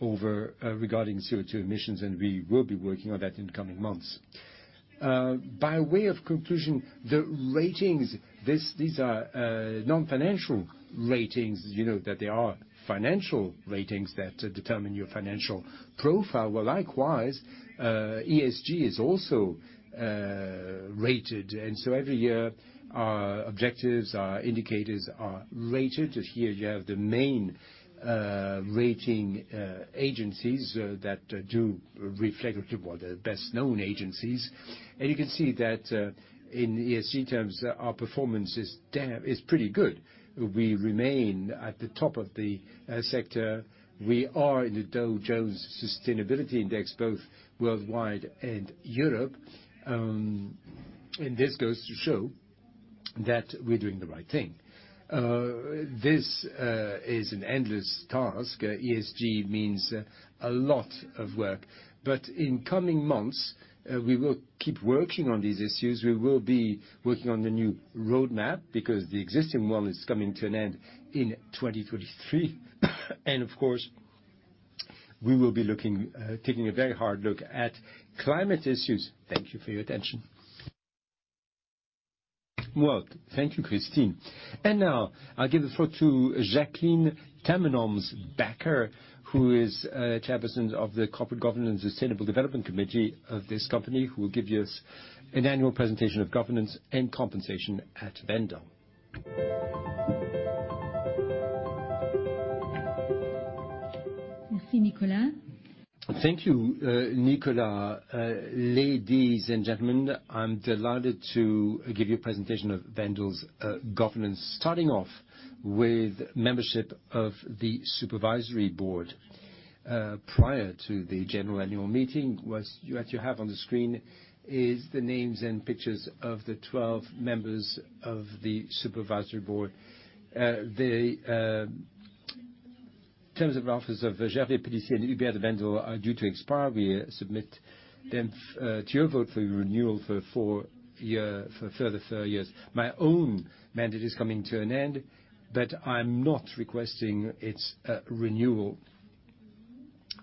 S4: over regarding CO2 emissions, and we will be working on that in the coming months. By way of conclusion, the ratings, these are non-financial ratings. You know, that there are financial ratings that determine your financial profile. Well, likewise, ESG is also rated. Every year, our objectives, our indicators are rated. Here you have the main rating agencies that do reflect well, the best-known agencies. You can see that in ESG terms, our performance is damn, is pretty good. We remain at the top of the sector. We are in the Dow Jones Sustainability Index, both worldwide and Europe. This goes to show that we're doing the right thing. This is an endless task. ESG means a lot of work, but in coming months, we will keep working on these issues. We will be working on the new roadmap because the existing one is coming to an end in 2023. Of course, we will be looking, taking a very hard look at climate issues. Thank you for your attention.
S2: Well, thank you, Christine. Now, I'll give the floor to Jacqueline Tammenoms Bakker, who is chairperson of the Corporate Governance Sustainable Development Committee of this company, who will give us an annual presentation of governance and compensation at Wendel.
S5: Merci, Nicolas. Thank you, Nicolas. Ladies and gentlemen, I'm delighted to give you a presentation of Wendel's governance, starting off with membership of the Supervisory Board. Prior to the general annual meeting, what you have on the screen is the names and pictures of the 12 members of the Supervisory Board. The terms of office of Gervais Pellissier and Humbert de Wendel are due to expire. We submit them to your vote for the renewal for a further 4 years. My own mandate is coming to an end, but I'm not requesting its renewal.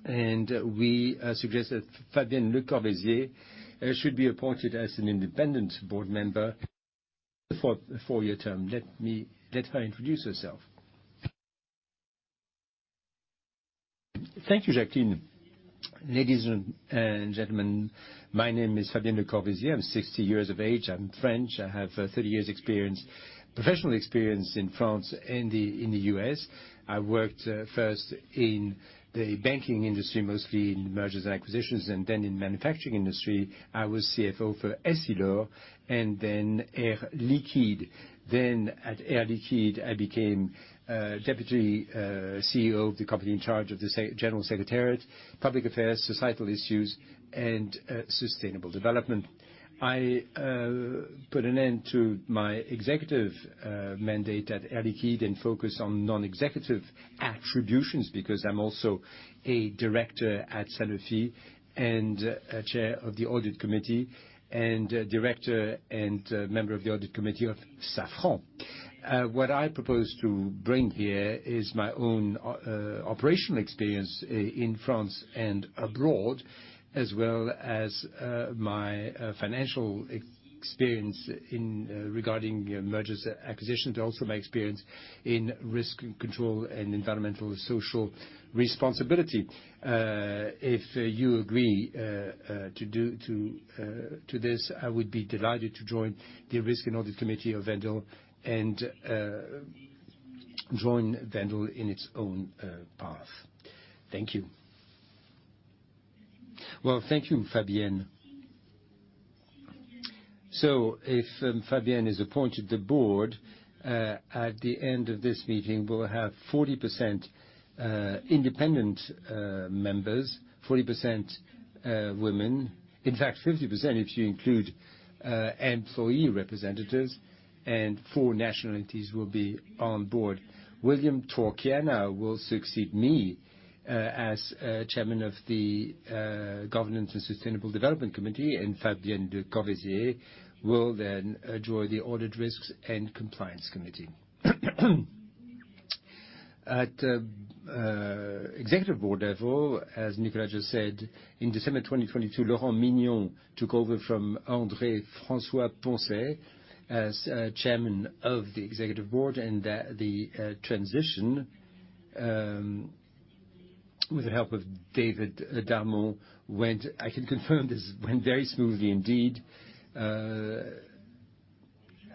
S5: We suggest that Fabienne Lecorvaisier should be appointed as an independent board member for a 4-year term. Let her introduce herself.
S6: Thank you, Jacqueline. Ladies and gentlemen, my name is Fabienne Lecorvaisier. I'm 60 years of age. I'm French. I have 30 years' experience, professional experience in France and in the U.S. I worked first in the banking industry, mostly in mergers and acquisitions, then in manufacturing industry. I was CFO for Essilor, then Air Liquide. At Air Liquide, I became Deputy CEO of the company, in charge of the General Secretariat, Public Affairs, Societal Issues, and Sustainable Development. I put an end to my executive mandate at Air Liquide and focus on non-executive attributions, because I'm also a director at Sanofi and a chair of the Audit Committee, and director and member of the Audit Committee of Safran. What I propose to bring here is my own operational experience in France and abroad, as well as my financial experience regarding mergers, acquisitions, but also my experience in risk control and environmental and social responsibility. If you agree to this, I would be delighted to join the Risk and Audit Committee of Wendel and join Wendel in its own path.
S1: Thank you. Well, thank you, Fabienne. If Fabienne is appointed, the board, at the end of this meeting, will have 40% independent members, 40% women. In fact, 50%, if you include employee representatives, and 4 national entities will be on board. William Torchiana will succeed me as chairman of the Governance and Sustainability Committee, and Fabienne Lecorvaisier will then join the Audit, Risks and Compliance Committee. At executive board level, as Nicolas just said, in December 2022, Laurent Mignon took over from André François-Poncet as chairman of the executive board. That, the transition, with the help of David Darmon, I can confirm this went very smoothly indeed,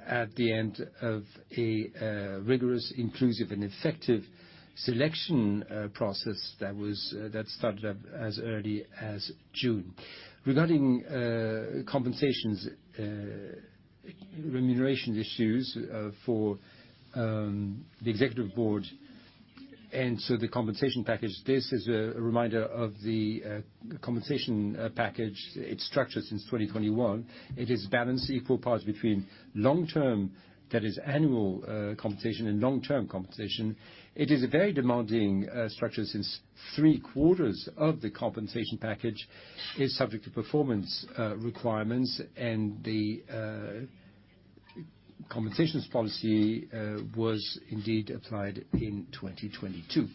S1: at the end of a rigorous, inclusive, and effective selection process that started up as early as June. Regarding compensations, remuneration issues for the executive board, and so the compensation package, this is a reminder of the compensation package. It's structured since 2021. It is balanced equal parts between long-term, that is, annual, compensation and long-term compensation. It is a very demanding structure, since 3/4 of the compensation package is subject to performance requirements, and the compensations policy was indeed applied in 2022.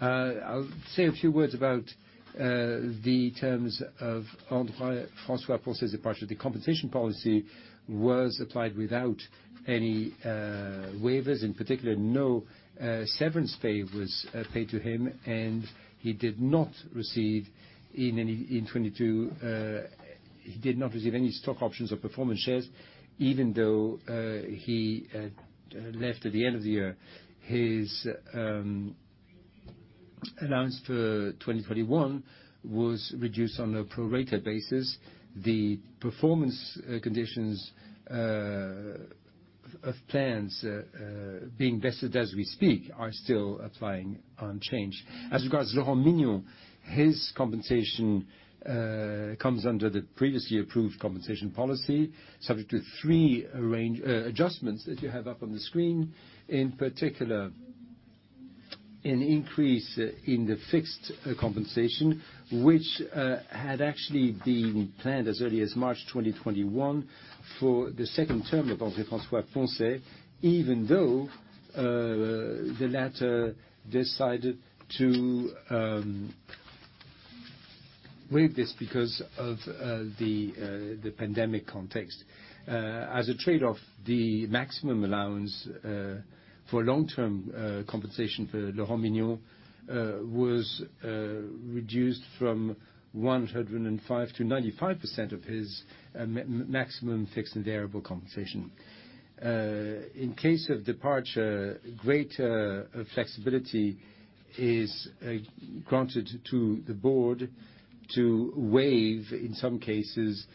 S1: I'll say a few words about the terms of André François Ponce's departure. The compensation policy was applied without any waivers, in particular, no severance pay was paid to him, and he did not receive in 2022, he did not receive any stock options or performance shares, even though he left at the end of the year. His allowance for 2021 was reduced on a prorated basis. The performance conditions of plans being vested as we speak, are still applying unchanged. As regards Laurent Mignon, his compensation comes under the previously approved compensation policy, subject to three range adjustments that you have up on the screen. In particular, an increase in the fixed compensation, which had actually been planned as early as March 2021 for the second term of André François Ponce, even though the latter decided to waive this because of the pandemic context. As a trade-off, the maximum allowance for long-term compensation for Laurent Mignon was reduced from 105% to 95% of his maximum fixed and variable compensation. In case of departure, greater flexibility is granted to the board to waive, in some cases,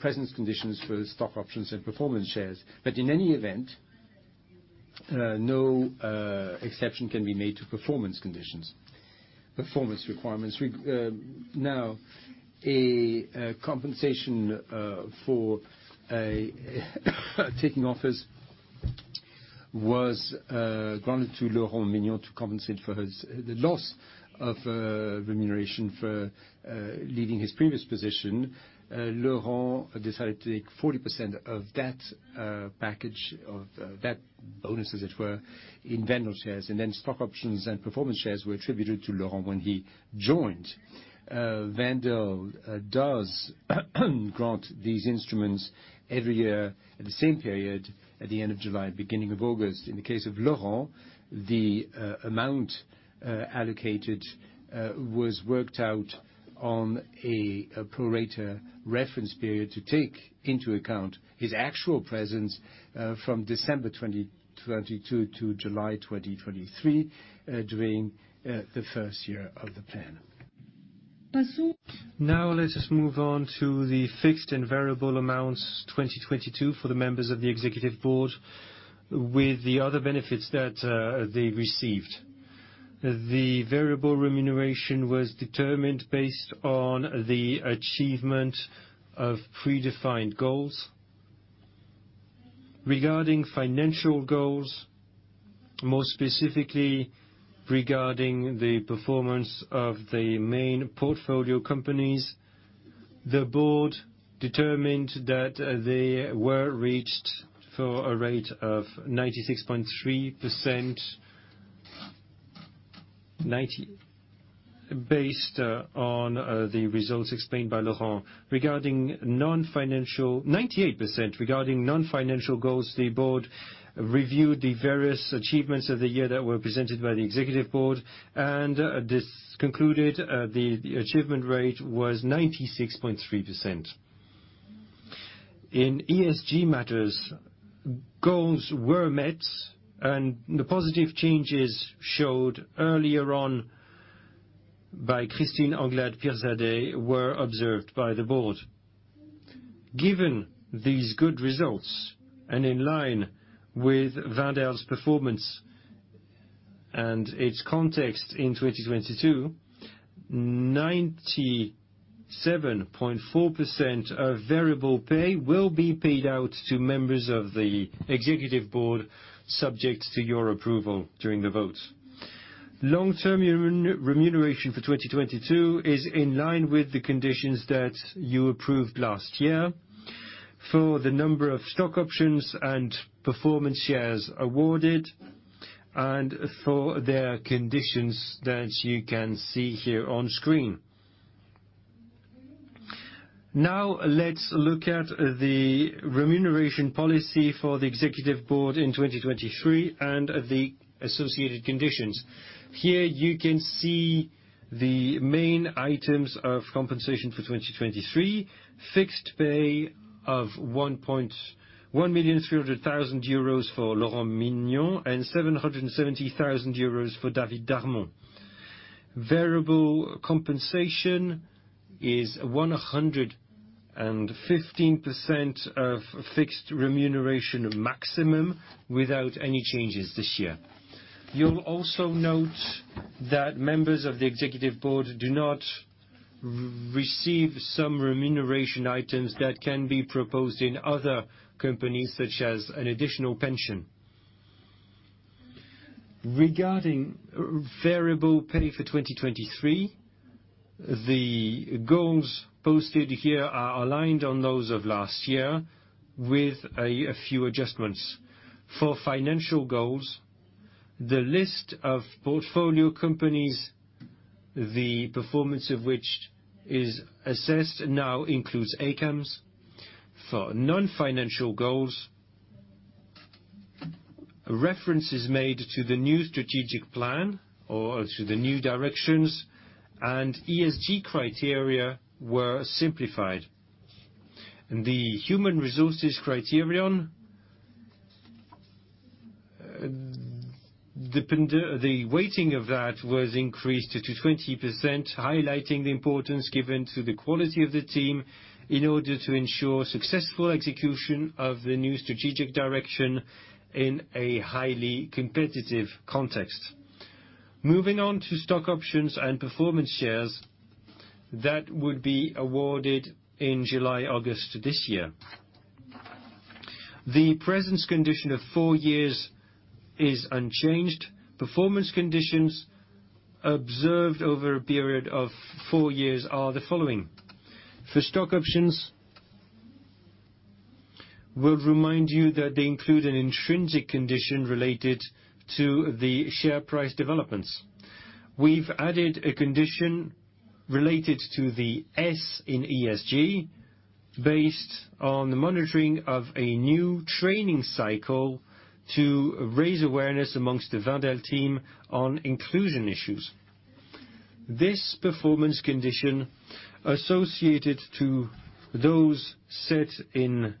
S1: presence conditions for stock options and performance shares. In any event, no exception can be made to performance conditions, performance requirements. Now, a compensation for taking office was granted to Laurent Mignon to compensate for his, the loss of remuneration for leaving his previous position. Laurent decided to take 40% of that package, of that bonus, as it were, in Wendel shares, and then stock options and performance shares were attributed to Laurent when he joined. Wendel does grant these instruments every year at the same period, at the end of July, beginning of August. In the case of Laurent, the amount allocated was worked out on a prorata reference period to take into account his actual presence from December 2022 to July 2023 during the first year of the plan.
S2: Let us move on to the fixed and variable amounts 2022 for the members of the executive board, with the other benefits that they received. The variable remuneration was determined based on the achievement of predefined goals. Regarding financial goals, more specifically regarding the performance of the main portfolio companies, the board determined that they were reached for a rate of 96.3%. based on the results explained by Laurent. Regarding non-financial. 98%. Regarding non-financial goals, the board reviewed the various achievements of the year that were presented by the executive board, and this concluded the achievement rate was 96.3%. In ESG matters, goals were met, and the positive changes showed earlier on by Christine Anglade Pirzade, were observed by the board. Given these good results, and in line with Wendel's performance and its context in 2022, 97.4% of variable pay will be paid out to members of the Executive Board, subject to your approval during the vote. Long-term remuneration for 2022 is in line with the conditions that you approved last year, for the number of stock options and performance shares awarded, and for their conditions that you can see here on screen. Let's look at the remuneration policy for the Executive Board in 2023 and the associated conditions. Here you can see the main items of compensation for 2023. Fixed pay of 1.3 million for Laurent Mignon and 770,000 euros for David Darmon. Variable compensation is 115% of fixed remuneration maximum without any changes this year. You'll also note that members of the executive board do not receive some remuneration items that can be proposed in other companies, such as an additional pension. Regarding variable pay for 2023, the goals posted here are aligned on those of last year, with a few adjustments. For financial goals, the list of portfolio companies, the performance of which is assessed, now includes ACAMS. For non-financial goals, reference is made to the new strategic plan or to the new directions, and ESG criteria were simplified. The human resources criterion, the weighting of that was increased to 20%, highlighting the importance given to the quality of the team in order to ensure successful execution of the new strategic direction in a highly competitive context. Moving on to stock options and performance shares that would be awarded in July, August this year. The presence condition of four years is unchanged. Performance conditions observed over a period of four years are the following: For stock options, we'll remind you that they include an intrinsic condition related to the share price developments. We've added a condition related to the S in ESG, based on the monitoring of a new training cycle to raise awareness amongst the Wendel team on inclusion issues. This performance condition, associated to those set in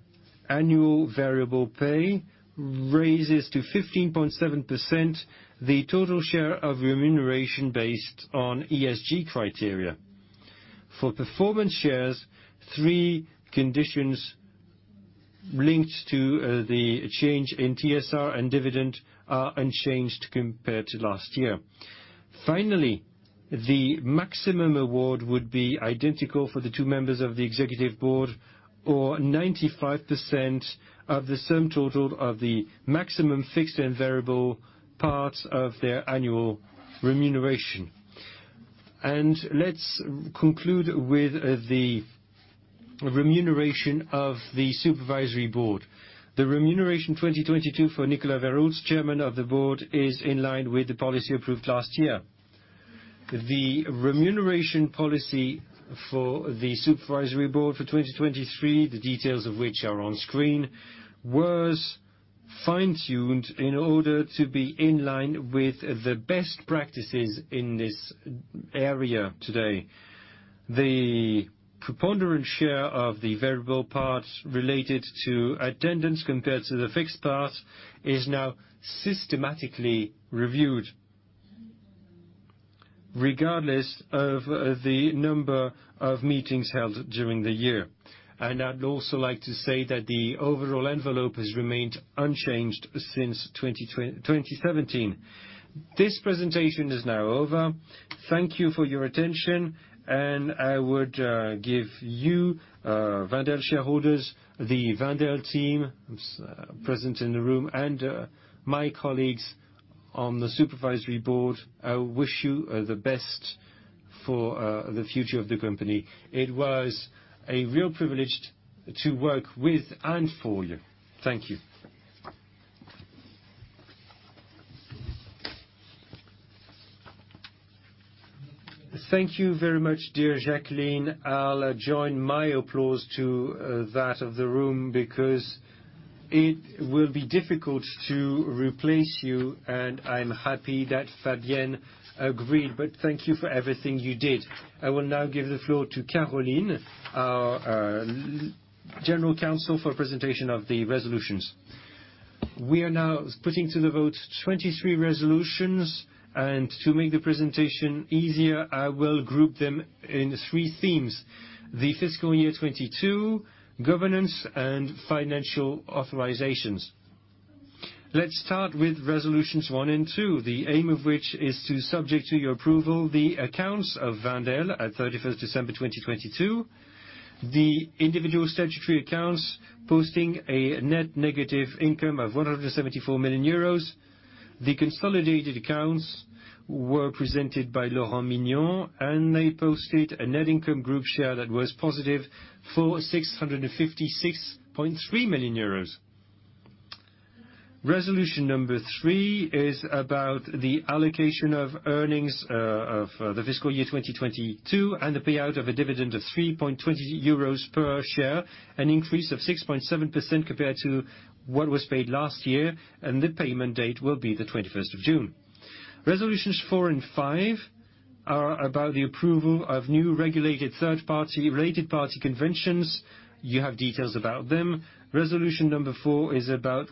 S2: annual variable pay, raises to 15.7% the total share of remuneration based on ESG criteria. For performance shares, three conditions linked to the change in TSR and dividend are unchanged compared to last year. The maximum award would be identical for the two members of the executive board, or 95% of the sum total of the maximum fixed and variable parts of their annual remuneration. Let's conclude with the remuneration of the Supervisory Board. The remuneration 2022 for Nicolas ver Hulst, Chairman of the Board, is in line with the policy approved last year. The remuneration policy for the Supervisory Board for 2023, the details of which are on screen, was fine-tuned in order to be in line with the best practices in this area today. The preponderant share of the variable part related to attendance compared to the fixed part, is now systematically reviewed, regardless of the number of meetings held during the year. I'd also like to say that the overall envelope has remained unchanged since 2017. This presentation is now over. Thank you for your attention. I would give you Wendel shareholders, the Wendel team, who's present in the room, and my colleagues on the Supervisory Board, I wish you the best for the future of the company. It was a real privilege to work with and for you. Thank you. Thank you very much, dear Jacqueline. I'll join my applause to that of the room, because it will be difficult to replace you, and I'm happy that Fabienne agreed. Thank you for everything you did. I will now give the floor to Caroline, our General Counsel, for presentation of the resolutions. We are now putting to the vote 23 resolutions, and to make the presentation easier, I will group them in three themes: the fiscal year 22, Governance, and Financial Authorizations.
S1: Let's start with resolutions 1 and 2, the aim of which is to subject to your approval the accounts of Wendel at 31st December 2022. The individual statutory accounts posting a net negative income of 174 million euros. The consolidated accounts were presented by Laurent Mignon. They posted a net income group share that was positive for 656.3 million euros. Resolution number 3 is about the allocation of earnings of the fiscal year 2022, and the payout of a dividend of 3.20 euros per share, an increase of 6.7% compared to what was paid last year, and the payment date will be the 21st of June. Resolutions 4 and 5 are about the approval of new regulated third-party, related party conventions. You have details about them. Resolution 4 is about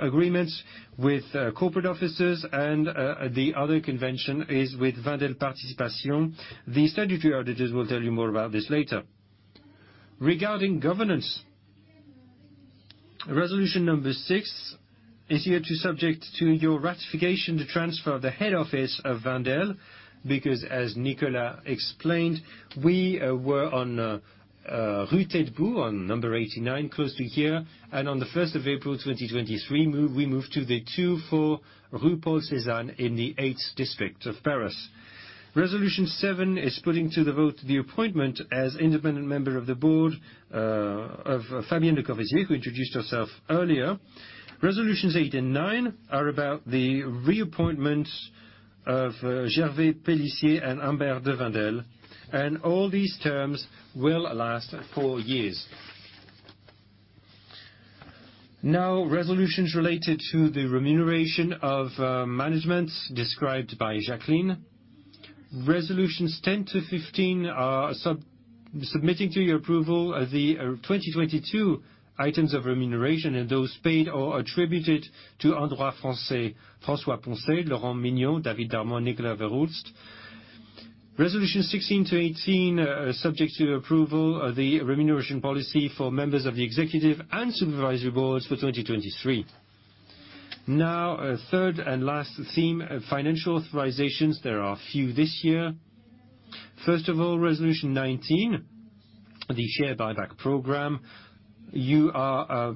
S1: agreements with corporate officers. The other convention is with Wendel-Participations. The statutory auditors will tell you more about this later. Regarding governance. Resolution 6 is here to subject to your ratification, the transfer of the head office of Wendel, because as Nicolas explained, we were on rue Taitbout, on number 89, close to here, and on April 1, 2023, we moved to the 24 Rue Paul Cézanne in the 8th district of Paris. Resolution 7 is putting to the vote, the appointment as independent member of the board of Fabienne Lecorvaisier, who introduced herself earlier. Resolutions 8 and 9 are about the reappointment of Gervais Pellissier and Humbert de Wendel. All these terms will last 4 years. Resolutions related to the remuneration of management, described by Jacqueline. Resolutions 10 - 15 are submitting to your approval of the 2022 items of remuneration and those paid or attributed to André French, François Ponce, Laurent Mignon, David Darmon, Nicolas ver Hulst. Resolution 16 to 18 subject to your approval of the remuneration policy for members of the executive and supervisory boards for 2023. Third and last theme, financial authorizations. There are a few this year. First of all, Resolution 19, the share buyback program. You are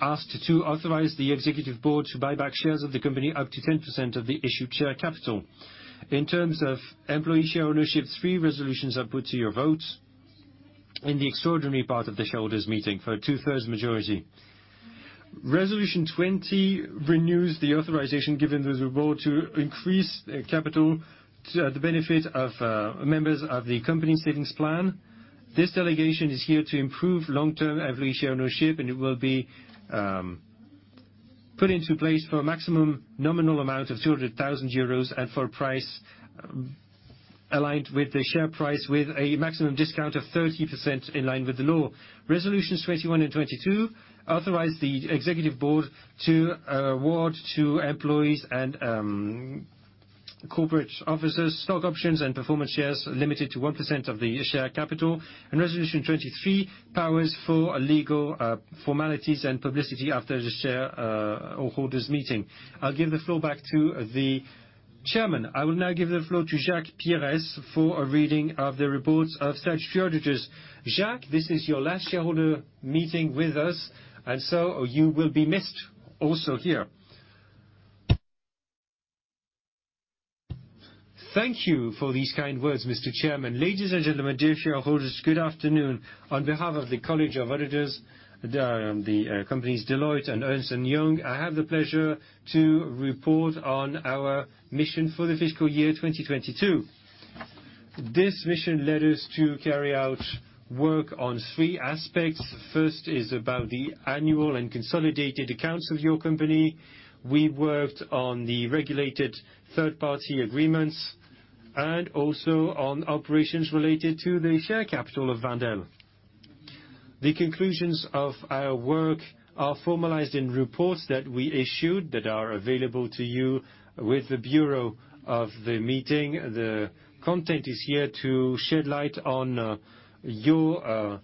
S1: asked to authorize the executive board to buy back shares of the company up to 10% of the issued share capital. In terms of employee share ownership, three resolutions are put to your vote in the extraordinary part of the shareholders' meeting for a two-thirds majority. Resolution 20 renews the authorization given to the board to increase capital to the benefit of members of the company savings plan. This delegation is here to improve long-term employee share ownership, and it will be put into place for a maximum nominal amount of 200,000 euros and for a price aligned with the share price, with a maximum discount of 30%, in line with the law. Resolutions 21 and 22 authorize the executive board to award to employees and corporate officers, stock options and performance shares, limited to 1% of the share capital. Resolution 23, powers for legal formalities and publicity after the share or holders' meeting. I'll give the floor back to the chairman. I will now give the floor to Jacques Piriou for a reading of the reports of such privileges. Jacques, this is your last shareholder meeting with us. You will be missed also here. Thank you for these kind words, Mr. Chairman. Ladies and gentlemen, dear shareholders, good afternoon. On behalf of the College of Auditors, the companies, Deloitte and Ernst & Young, I have the pleasure to report on our mission for the fiscal year 2022. This mission led us to carry out work on three aspects. First is about the annual and consolidated accounts of your company. We worked on the regulated third-party agreements and also on operations related to the share capital of Wendel. The conclusions of our work are formalized in reports that we issued, that are available to you with the Bureau of the meeting. The content is here to shed light on, your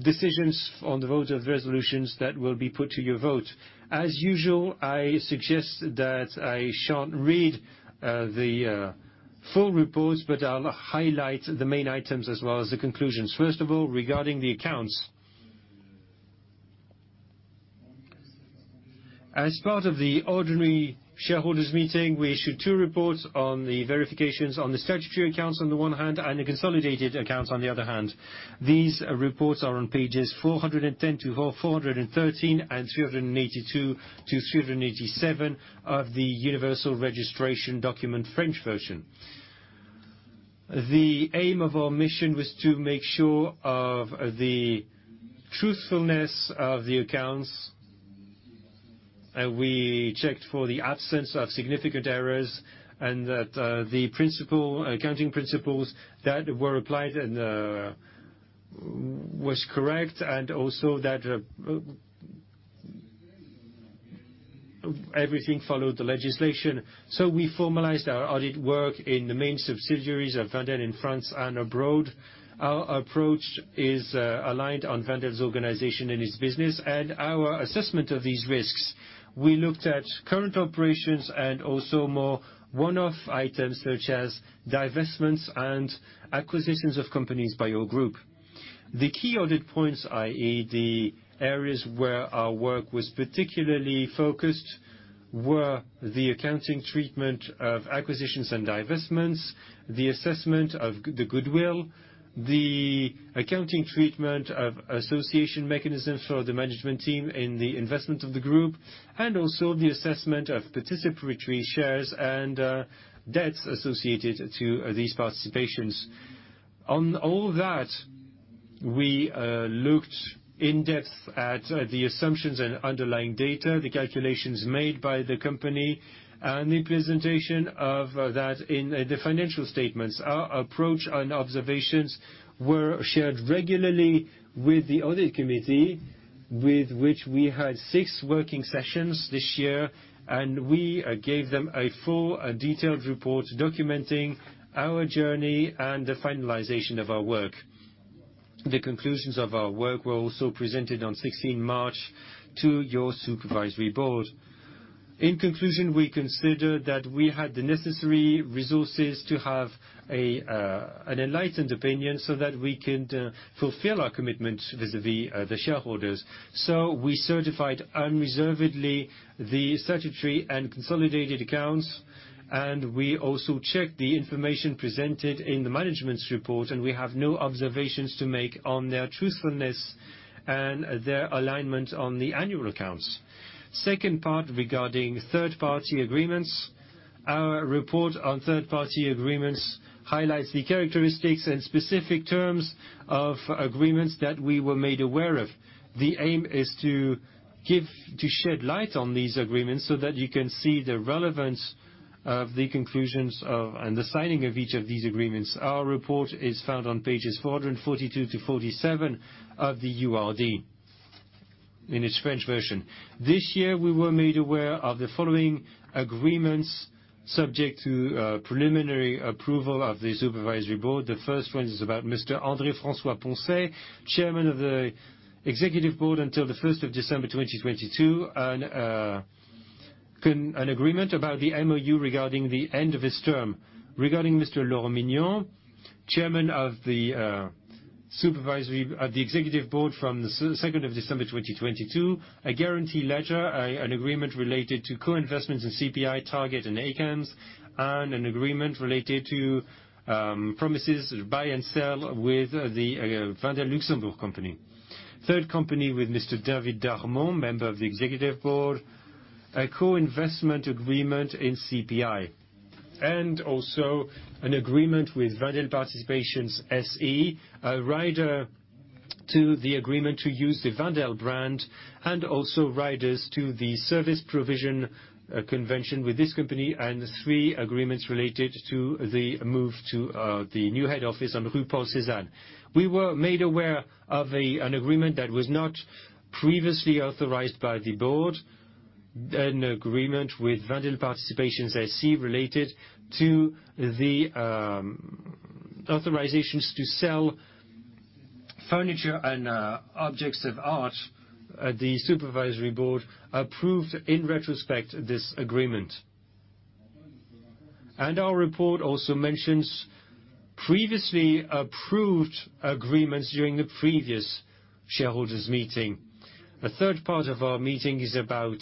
S1: decisions on the vote of resolutions that will be put to your vote. As usual, I suggest that I shan't read the full reports, but I'll highlight the main items as well as the conclusions. First of all, regarding the accounts. As part of the ordinary shareholders meeting, we issued two reports on the verifications on the statutory accounts on the one hand, and the consolidated accounts on the other hand. These reports are on pages 410 - 413 and 382 - 387 of the Universal Registration Document, French version. The aim of our mission was to make sure of the truthfulness of the accounts. We checked for the absence of significant errors and that accounting principles that were applied and was correct, and also that everything followed the legislation. We formalized our audit work in the main subsidiaries of Wendel in France and abroad. Our approach is aligned on Wendel's organization and its business and our assessment of these risks. We looked at current operations and also more one-off items, such as divestments and acquisitions of companies by your group. The key audit points, i.e., the areas where our work was particularly focused, were the accounting treatment of acquisitions and divestments, the assessment of the goodwill, the accounting treatment of association mechanisms for the management team in the investment of the group, and also the assessment of participatory shares and debts associated to these participations. On all that, we looked in depth at the assumptions and underlying data, the calculations made by the company, and the presentation of that in the financial statements. Our approach and observations were shared regularly with the Audit Committee, with which we had 6 working sessions this year, and we gave them a full detailed report, documenting our journey and the finalization of our work. The conclusions of our work were also presented on 16 March to your Supervisory Board. In conclusion, we considered that we had the necessary resources to have an enlightened opinion so that we could fulfill our commitment vis-à-vis the shareholders. We certified unreservedly the statutory and consolidated accounts, and we also checked the information presented in the management's report, and we have no observations to make on their truthfulness and their alignment on the annual accounts. Second part, regarding third-party agreements. Our report on third-party agreements highlights the characteristics and specific terms of agreements that we were made aware of. The aim is to shed light on these agreements so that you can see the relevance of the conclusions of, and the signing of each of these agreements. Our report is found on pages 442 to 47 of the URD, in its French version. This year, we were made aware of the following agreements subject to preliminary approval of the Supervisory Board. The first one is about Mr. André François-Poncet, Chairman of the Executive Board until the 1st of December 2022, and an agreement about the MoU regarding the end of his term. Regarding Mr. Laurent Mignon, chairman of the supervisory, the Executive Board from the 2nd of December 2022, a guarantee ledger, an agreement related to co-investments in CPI, Tarkett, and ACAMS, and an agreement related to promises to buy and sell with the Wendel Luxembourg company. Third company, with Mr. David Darmon, member of the Executive Board, a co-investment agreement in CPI, also an agreement with Wendel-Participations SE, a rider to the agreement to use the Wendel brand, also riders to the service provision convention with this company, and 3 agreements related to the move to the new head office on Rue Paul Cézanne. We were made aware of an agreement that was not previously authorized by the board, an agreement with Wendel-Participations SE, related to the authorizations to sell furniture and objects of art. The supervisory board approved, in retrospect, this agreement. Our report also mentions previously approved agreements during the previous shareholders' meeting. A third part of our meeting is about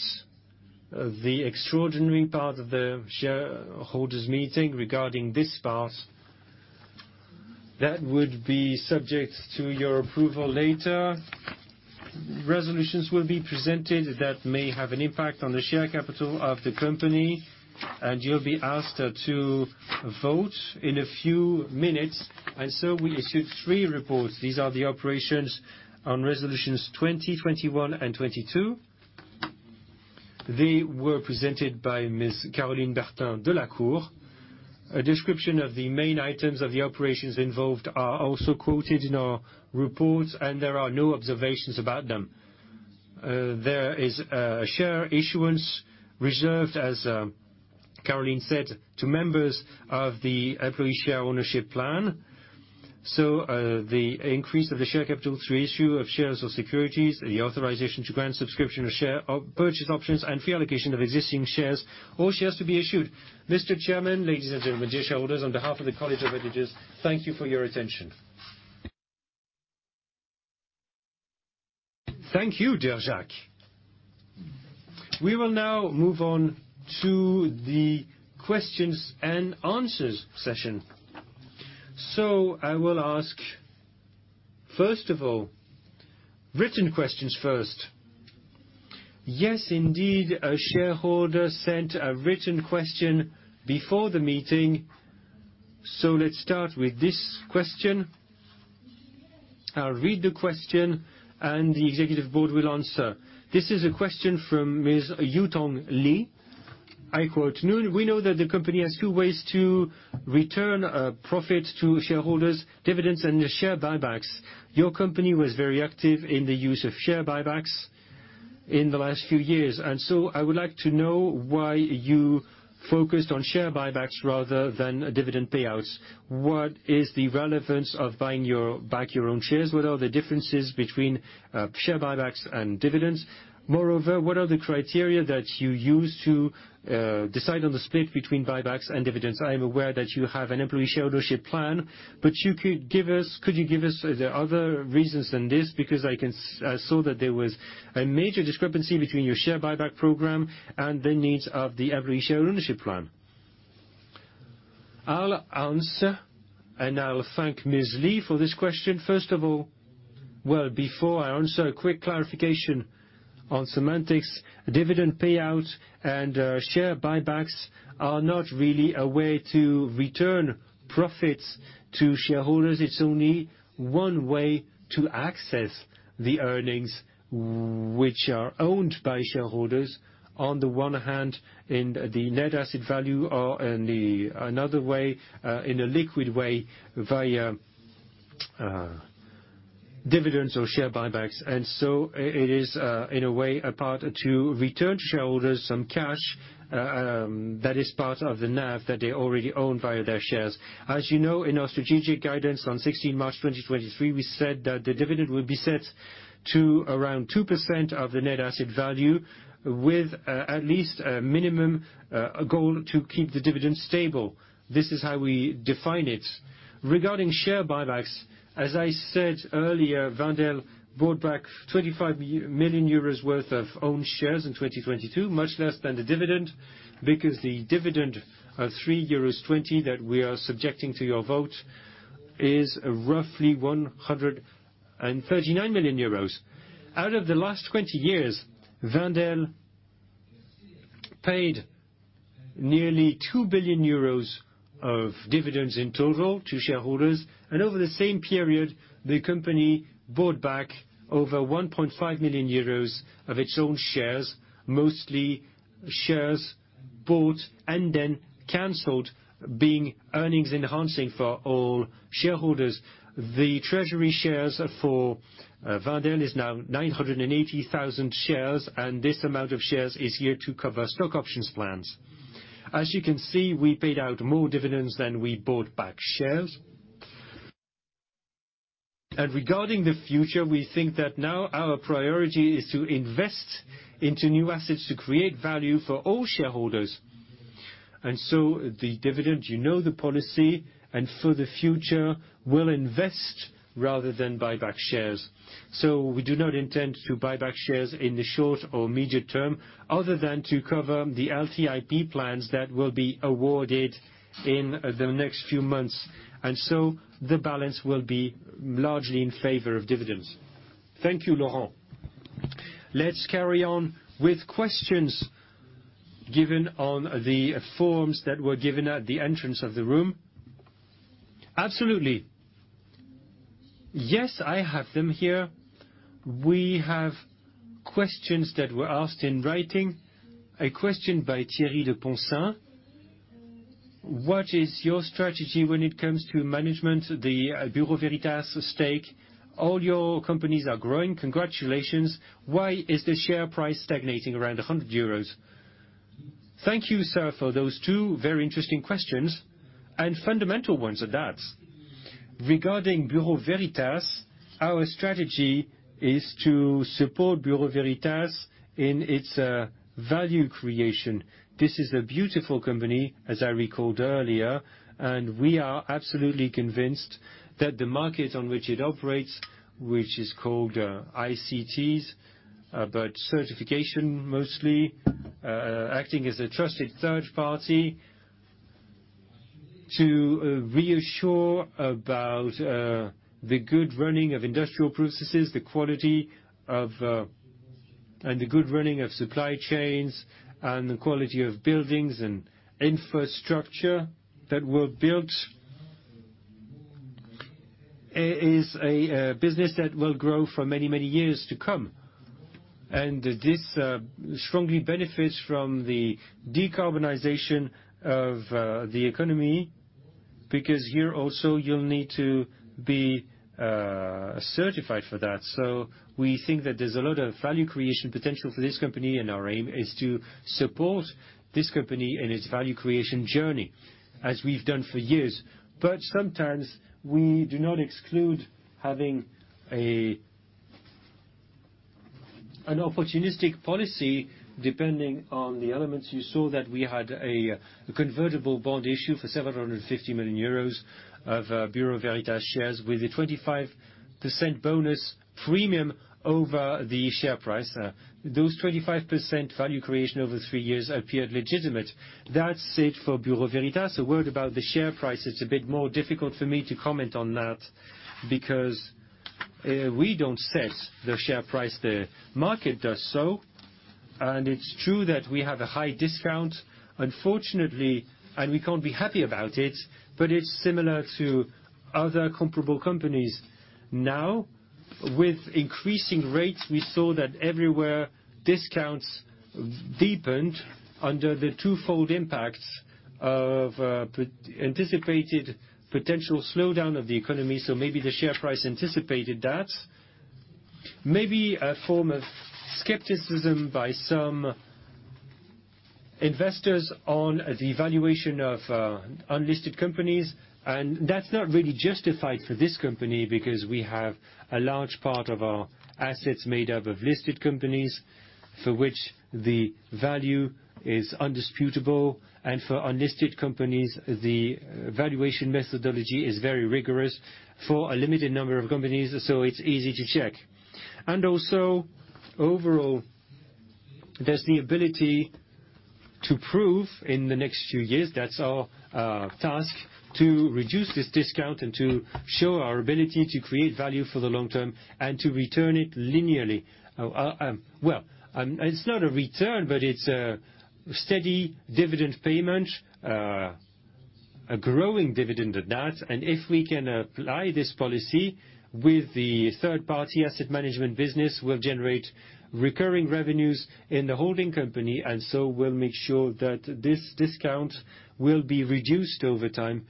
S1: the extraordinary part of the shareholders' meeting. Regarding this part, that would be subject to your approval later. Resolutions will be presented that may have an impact on the share capital of the company, and you'll be asked to vote in a few minutes. We issued three reports. These are the operations on resolutions 20, 21, and 22. They were presented by Ms. Caroline Bertin Delacour. A description of the main items of the operations involved are also quoted in our reports, and there are no observations about them. There is a share issuance reserved, as Caroline said, to members of the employee share ownership plan. The increase of the share capital through issue of shares or securities, the authorization to grant subscription or share or purchase options, and free allocation of existing shares, all shares to be issued. Mr. Chairman, ladies and gentlemen, dear shareholders, on behalf of the College of Auditors, thank you for your attention. Thank you, dear Jacques. We will now move on to the questions and answers session. I will ask, first of all, written questions first. Yes, indeed, a shareholder sent a written question before the meeting, let's start with this question. I'll read the question, the executive board will answer. This is a question from Ms. Yutong Li. I quote, "We know that the company has two ways to return profit to shareholders, dividends and the share buybacks. Your company was very active in the use of share buybacks in the last few years, I would like to know why you focused on share buybacks rather than dividend payouts. What is the relevance of buying your, back your own shares? What are the differences between share buybacks and dividends? What are the criteria that you use to decide on the split between buybacks and dividends? I am aware that you have an employee share ownership plan, but could you give us the other reasons than this? I saw that there was a major discrepancy between your share buyback program and the needs of the employee share ownership plan." I'll answer, and I'll thank Ms. Li for this question. First of all. Before I answer, a quick clarification on semantics. Dividend payout share buybacks are not really a way to return profits to shareholders. It's only one way to access the earnings, which are owned by shareholders, on the one hand, in the net asset value or in the another way, in a liquid way, dividends or share buybacks. It is in a way, a part to return shareholders some cash, that is part of the NAV that they already own via their shares. As you know, in our strategic guidance on 16 March 2023, we said that the dividend will be set to around 2% of the net asset value, with at least a minimum goal to keep the dividend stable. This is how we define it. Regarding share buybacks, as I said earlier, Wendel bought back 25 million euros worth of own shares in 2022, much less than the dividend, because the dividend of 3.20 euros that we are subjecting to your vote, is roughly 139 million euros. Out of the last 20 years, Wendel paid nearly 2 billion euros of dividends in total to shareholders, and over the same period, the company bought back over 1.5 million euros of its own shares, mostly shares bought and then canceled, being earnings enhancing for all shareholders. The treasury shares for Wendel is now 980,000 shares, and this amount of shares is here to cover stock options plans. As you can see, we paid out more dividends than we bought back shares. Regarding the future, we think that now our priority is to invest into new assets, to create value for all shareholders. The dividend, you know, the policy, and for the future, we'll invest rather than buy back shares. We do not intend to buy back shares in the short or immediate term, other than to cover the LTIP plans that will be awarded in the next few months. The balance will be largely in favor of dividends. Thank you, Laurent. Let's carry on with questions given on the forms that were given at the entrance of the room. Absolutely. Yes, I have them here. We have questions that were asked in writing. A question by Thierry Le Poac: What is your strategy when it comes to management, the Bureau Veritas stake? All your companies are growing. Congratulations. Why is the share price stagnating around 100 euros? Thank you, sir, for those two very interesting questions. Fundamental ones at that. Regarding Bureau Veritas, our strategy is to support Bureau Veritas in its value creation. We are absolutely convinced that the market on which it operates, which is called ICTs, but certification, mostly, acting as a trusted third party, to reassure about the good running of industrial processes, the quality of, and the good running of supply chains, and the quality of buildings and infrastructure that were built. It is a business that will grow for many, many years to come, and this strongly benefits from the decarbonization of the economy, because here also, you'll need to be certified for that. We think that there's a lot of value creation potential for this company, and our aim is to support this company in its value creation journey, as we've done for years. Sometimes we do not exclude having an opportunistic policy, depending on the elements. You saw that we had a convertible bond issue for 750 million euros of Bureau Veritas shares with a 25% bonus premium over the share price. Those 25% value creation over 3 years appeared legitimate. That's it for Bureau Veritas. A word about the share price, it's a bit more difficult for me to comment on that, because we don't set the share price, the market does so. It's true that we have a high discount, unfortunately, and we can't be happy about it, but it's similar to other comparable companies. With increasing rates, we saw that everywhere, discounts deepened under the twofold impacts of anticipated potential slowdown of the economy, maybe the share price anticipated that. Maybe a form of skepticism by some investors on the evaluation of unlisted companies, that's not really justified for this company, because we have a large part of our assets made up of listed companies, for which the value is undisputable. For unlisted companies, the valuation methodology is very rigorous for a limited number of companies, it's easy to check. Also, overall, there's the ability to prove in the next few years, that's our task, to reduce this discount and to show our ability to create value for the long term and to return it linearly. It's not a return, but it's a steady dividend payment, a growing dividend at that. If we can apply this policy. With the third-party asset management business, we'll generate recurring revenues in the holding company, we'll make sure that this discount will be reduced over time.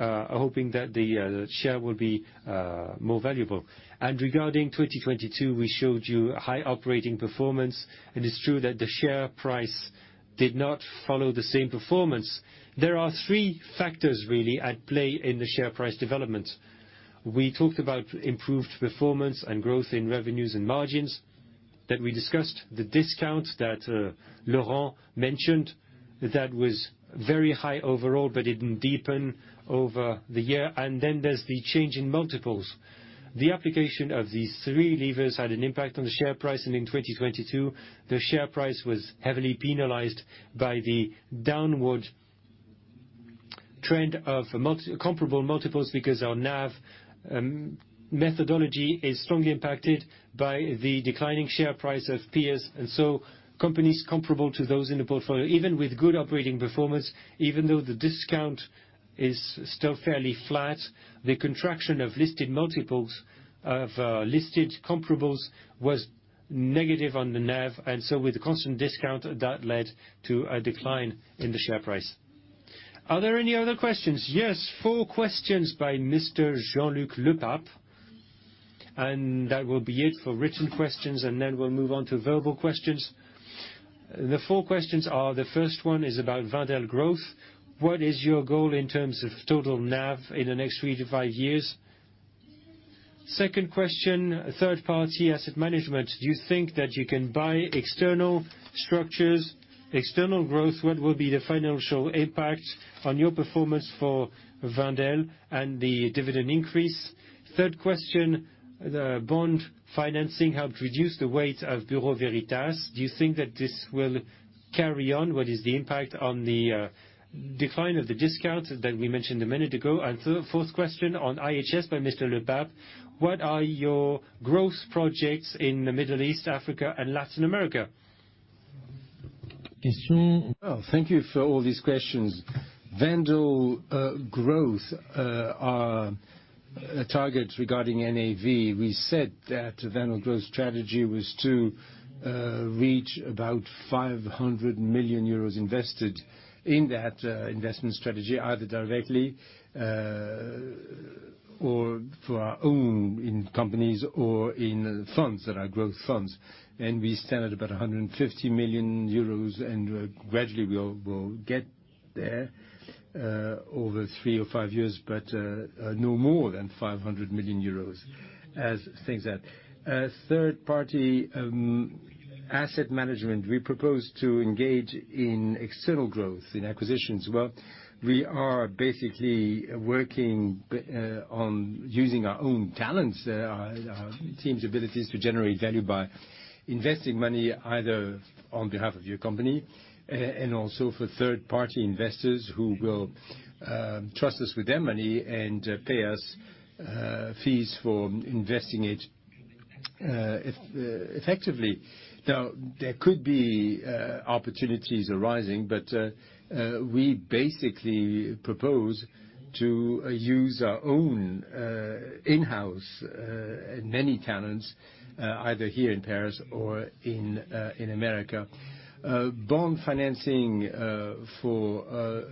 S1: Hoping that the share will be more valuable. Regarding 2022, we showed you high operating performance, and it's true that the share price did not follow the same performance. There are three factors really at play in the share price development. We talked about improved performance and growth in revenues and margins, that we discussed the discounts that Laurent mentioned, that was very high overall, but it didn't deepen over the year. There's the change in multiples. The application of these three levers had an impact on the share price. In 2022, the share price was heavily penalized by the downward trend of multi-comparable multiples, because our NAV methodology is strongly impacted by the declining share price of peers. Companies comparable to those in the portfolio, even with good operating performance, even though the discount is still fairly flat, the contraction of listed multiples, of listed comparables, was negative on the NAV, and so with the constant discount, that led to a decline in the share price. Are there any other questions? Yes, four questions by Mr. Jean-Luc Lepap. That will be it for written questions, and then we'll move on to verbal questions. The four questions are, the first one is about Wendel Growth. What is your goal in terms of total NAV in the next 3-5 years? Second question, third-party asset management. Do you think that you can buy external structures, external growth? What will be the financial impact on your performance for Wendel and the dividend increase? Third question, the bond financing helped reduce the weight of Bureau Veritas. Do you think that this will carry on? What is the impact on the decline of the discounts that we mentioned a minute ago? Fourth question on IHS by Mr. Lepap, what are your growth projects in the Middle East, Africa, and Latin America?
S2: Well, thank you for all these questions. Wendel Growth, our targets regarding NAV, we said that Wendel Growth strategy was to reach about 500 million euros invested in that investment strategy, either directly or for our own in companies or in funds that are growth funds. We stand at about 150 million euros, and gradually we'll get there over 3 or 5 years, but no more than 500 million euros as things stand. Third-party asset management, we propose to engage in external growth, in acquisitions. Well, we are basically working on using our own talents, our team's abilities to generate value by investing money, either on behalf of your company, and also for third-party investors who will trust us with their money and pay us fees for investing it effectively. Now, there could be opportunities arising, but we basically propose to use our own in-house many talents, either here in Paris or in America. Bond financing for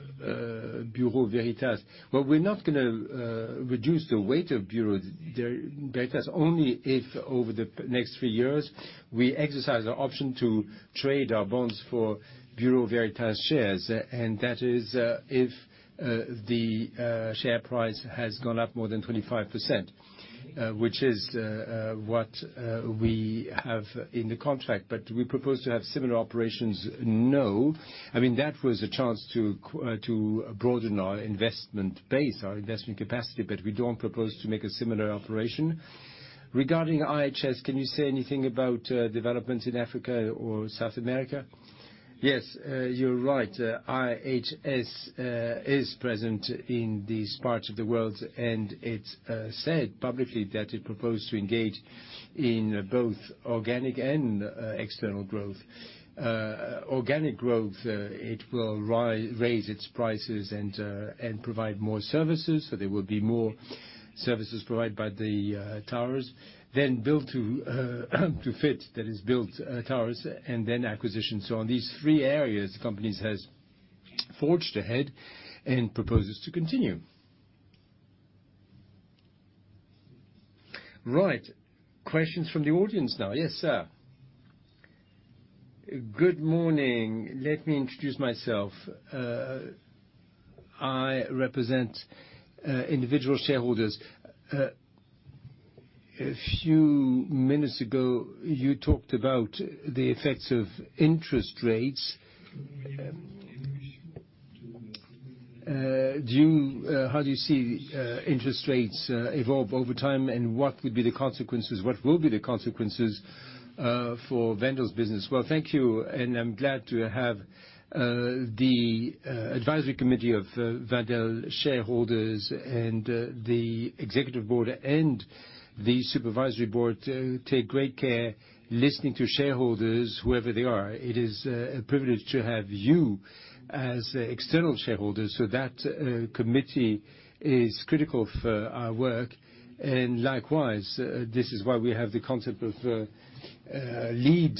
S2: Bureau Veritas. Well, we're not gonna reduce the weight of Bureau Veritas, only if over the next 3 years, we exercise an option to trade our bonds for Bureau Veritas shares, and that is if the share price has gone up more than 25%, which is what we have in the contract. Do we propose to have similar operations? No. I mean, that was a chance to broaden our investment base, our investment capacity, but we don't propose to make a similar operation. Regarding IHS, can you say anything about developments in Africa or South America? Yes, you're right. IHS is present in these parts of the world, and it's said publicly that it proposed to engage in both organic and external growth. Organic growth, it will raise its prices and provide more services, so there will be more services provided by the towers. Then build to fit, that is, build towers and then acquisition. On these three areas, companies has forged ahead and proposes to continue. Right. Questions from the audience now. Yes, sir? Good morning. Let me introduce myself. I represent individual shareholders. A few minutes ago, you talked about the effects of interest rates. Do you, how do you see interest rates evolve over time? What would be the consequences, what will be the consequences for Wendel's business? am glad to have the advisory committee of Wendel shareholders and the Executive Board and the Supervisory Board take great care listening to shareholders, whoever they are. It is a privilege to have you as external shareholders, so that committee is critical for our work. Likewise, this is why we have the concept of lead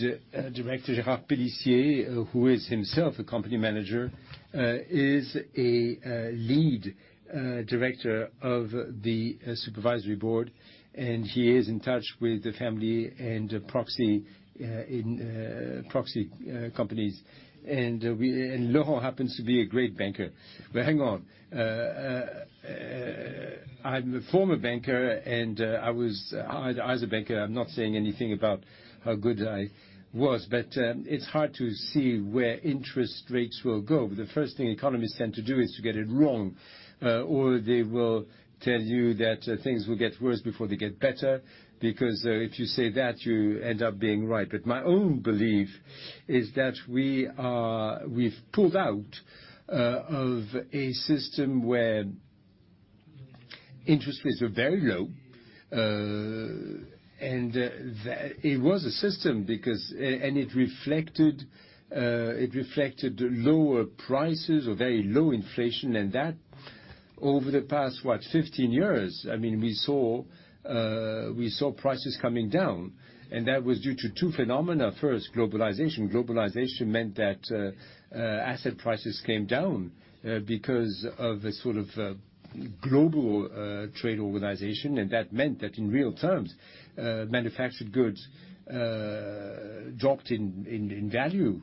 S2: Director Gervais Pellissier, who is himself a company manager, is a lead Director of the Supervisory Board, and he is in touch with the family and the proxy in proxy companies. Laurent happens to be a great banker. Hang on, I'm a former banker, I was as a banker, I'm not saying anything about how good I was, it's hard to see where interest rates will go. The first thing economists tend to do is to get it wrong, or they will tell you that things will get worse before they get better, because if you say that, you end up being right. My own belief is that we've pulled out of a system where interest rates are very low, and that it was a system because and it reflected lower prices or very low inflation, and that over the past, what, 15 years, I mean, we saw prices coming down, and that was due to two phenomena. First, globalization. Globalization meant that asset prices came down because of a sort of global trade organization, and that meant that in real terms, manufactured goods dropped in value.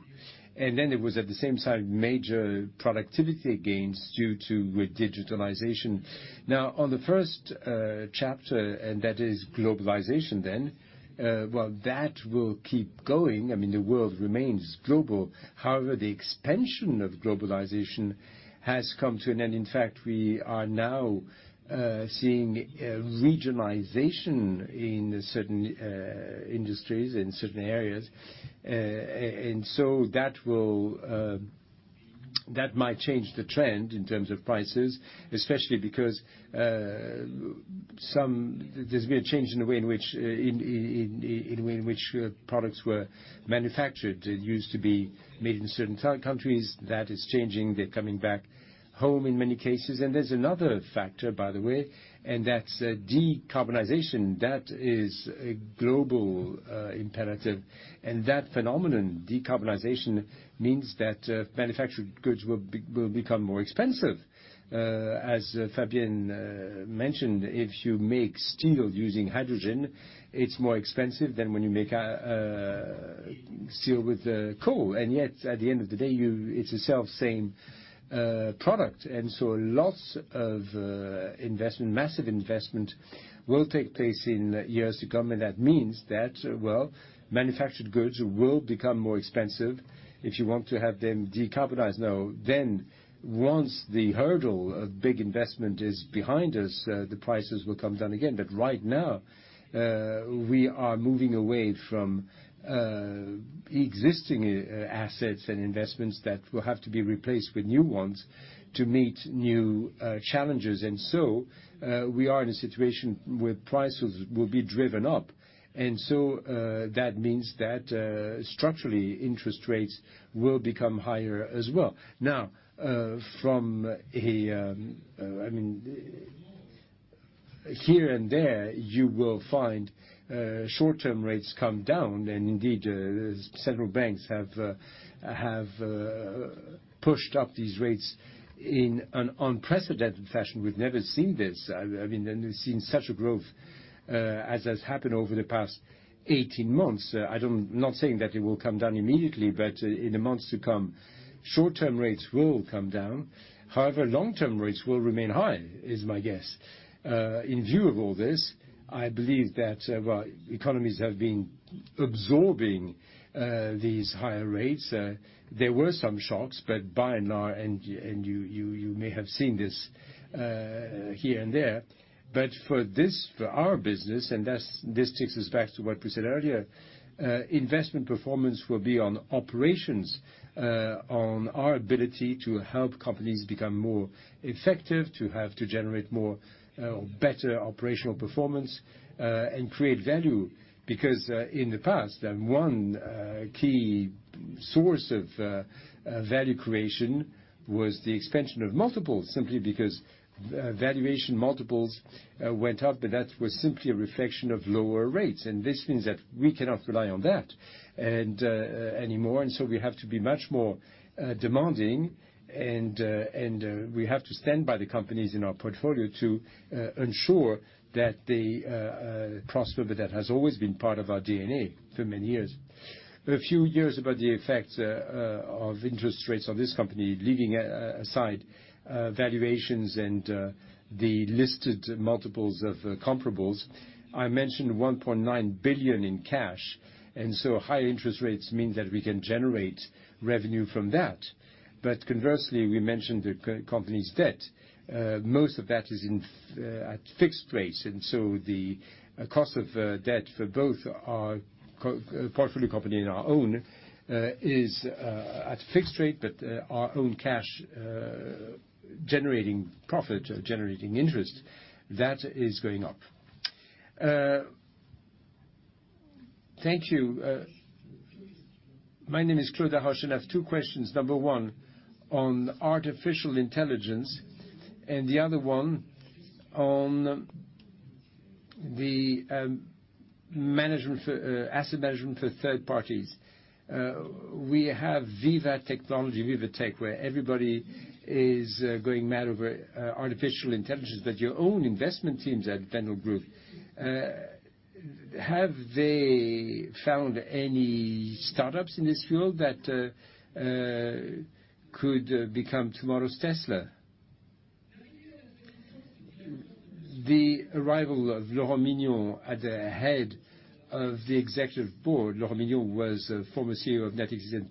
S2: Then there was, at the same time, major productivity gains due to digitalization. Now, on the first chapter, and that is globalization then, well, that will keep going. I mean, the world remains global. However, the expansion of globalization has come to an end. In fact, we are now seeing a regionalization in certain industries, in certain areas. That will, that might change the trend in terms of prices, especially because some... There's been a change in the way in which products were manufactured. It used to be made in certain countries. That is changing. They're coming back home in many cases. There's another factor, by the way, and that's decarbonization. That is a global imperative, and that phenomenon, decarbonization, means that manufactured goods will become more expensive. As Fabien mentioned, if you make steel using hydrogen, it's more expensive than when you make steel with coal, and yet, at the end of the day, you, it's the self-same product. Lots of investment, massive investment, will take place in the years to come. That means that, well, manufactured goods will become more expensive if you want to have them decarbonized. Once the hurdle of big investment is behind us, the prices will come down again. Right now, we are moving away from existing assets and investments that will have to be replaced with new ones to meet new challenges. We are in a situation where prices will be driven up. That means that structurally, interest rates will become higher as well. From a, I mean, here and there, you will find short-term rates come down, and indeed, several banks have pushed up these rates in an unprecedented fashion. We've never seen this. I mean, we've seen such a growth as has happened over the past 18 months. I'm not saying that it will come down immediately, but in the months to come, short-term rates will come down. Long-term rates will remain high, is my guess. In view of all this, I believe that, well, economies have been absorbing these higher rates. There were some shocks, but by and large, and you may have seen this here and there, but for this, for our business, and this takes us back to what we said earlier, investment performance will be on operations, on our ability to help companies become more effective, to have, to generate more, better operational performance, and create value. Because in the past, and one key source of value creation was the expansion of multiples, simply because valuation multiples went up, but that was simply a reflection of lower rates. This means that we cannot rely on that anymore, and so we have to be much more demanding, and we have to stand by the companies in our portfolio to ensure that they prosper. That has always been part of our DNA for many years. A few years about the effects of interest rates on this company, leaving aside valuations and the listed multiples of comparables, I mentioned 1.9 billion in cash, and so higher interest rates mean that we can generate revenue from that. Conversely, we mentioned the company's debt. Most of that is in at fixed rates, the cost of debt for both our co- portfolio company and our own is at fixed rate, our own cash generating profit, generating interest, that is going up. Thank you, my name is Claude Hary, I have two questions. Number one, on artificial intelligence, the other one on the management for asset management for third parties. We have Viva Technology, Viva Tech, where everybody is going mad over artificial intelligence. Your own investment teams at Wendel Group have they found any startups in this field that could become tomorrow's Tesla? The arrival of Laurent Mignon at the head of the executive board, Laurent Mignon, was a former CEO of Natixis and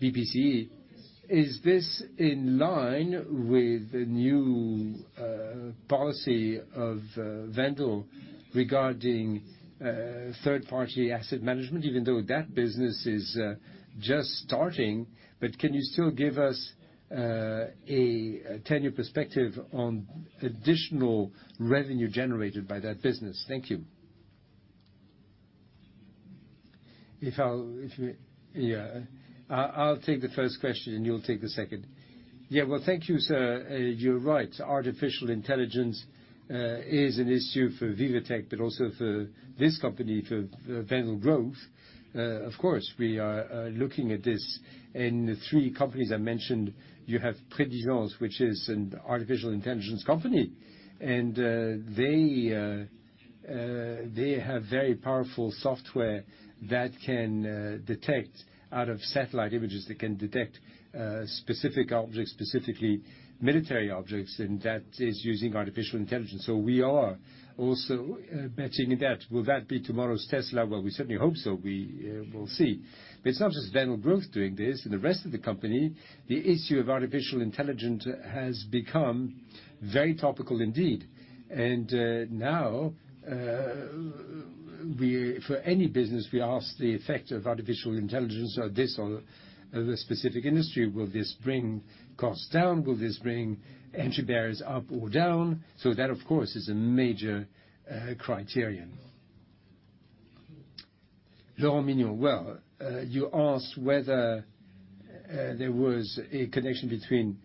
S2: BPCE. Is this in line with the new policy of Wendel regarding third-party asset management? Even though that business is just starting, can you still give us a 10-year perspective on additional revenue generated by that business? Thank you. I'll take the first question, and you'll take the second. Well, thank you, sir. You're right, artificial intelligence is an issue for VivaTech, but also for this company, for Wendel Growth. Of course, we are looking at this. In the three companies I mentioned, you have Preligens, which is an artificial intelligence company, and they have very powerful software that can detect out of satellite images, that can detect specific objects, specifically military objects, and that is using artificial intelligence, we are also matching that. Will that be tomorrow's Tesla? We certainly hope so. We will see. It's not just Wendel Growth doing this. In the rest of the company, the issue of artificial intelligence has become very topical indeed, now, we, for any business, we ask the effect of artificial intelligence on this, on the specific industry. Will this bring costs down? Will this bring entry barriers up or down? That, of course, is a major criterion. Laurent Mignon, you asked whether there was a connection between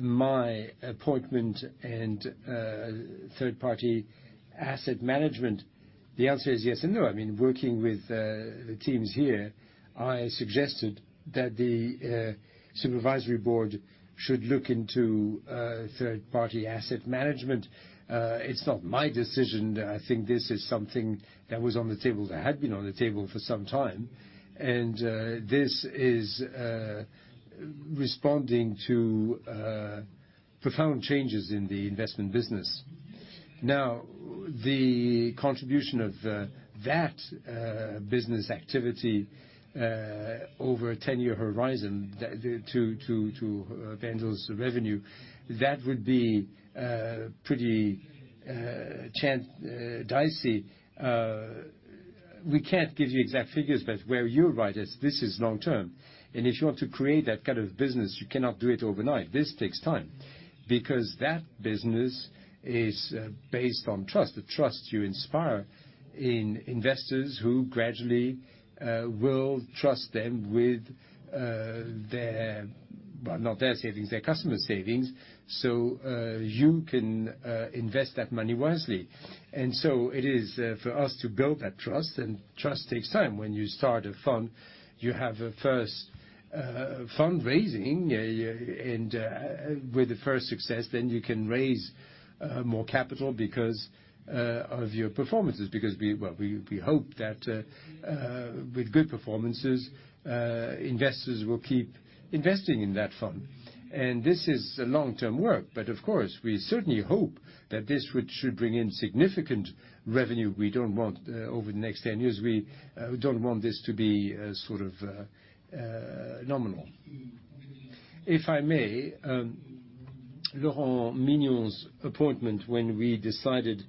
S2: my appointment and third-party asset management. The answer is yes and no. I mean, working with the teams here, I suggested that the supervisory board should look into third-party asset management. It's not my decision. I think this is something that was on the table, that had been on the table for some time. This is responding to profound changes in the investment business. Now, the contribution of that business activity over a 10-year horizon to Wendel's revenue, that would be pretty dicey. We can't give you exact figures, but where you're right is, this is long term, and if you want to create that kind of business, you cannot do it overnight. This takes time. Because that business is based on trust, the trust you inspire in investors who gradually will trust them with their, well, not their savings, their customer savings, so, you can invest that money wisely. it is for us to build that trust, and trust takes time. When you start a fund, you have a first fundraising, yeah, with the first success, then you can raise more capital because of your performances. we, well, we hope that with good performances, investors will keep investing in that fund, and this is a long-term work. Of course, we certainly hope that this would, should bring in significant revenue. We don't want over the next 10 years, we don't want this to be sort of nominal. If I may, Laurent Mignon's appointment, when we decided...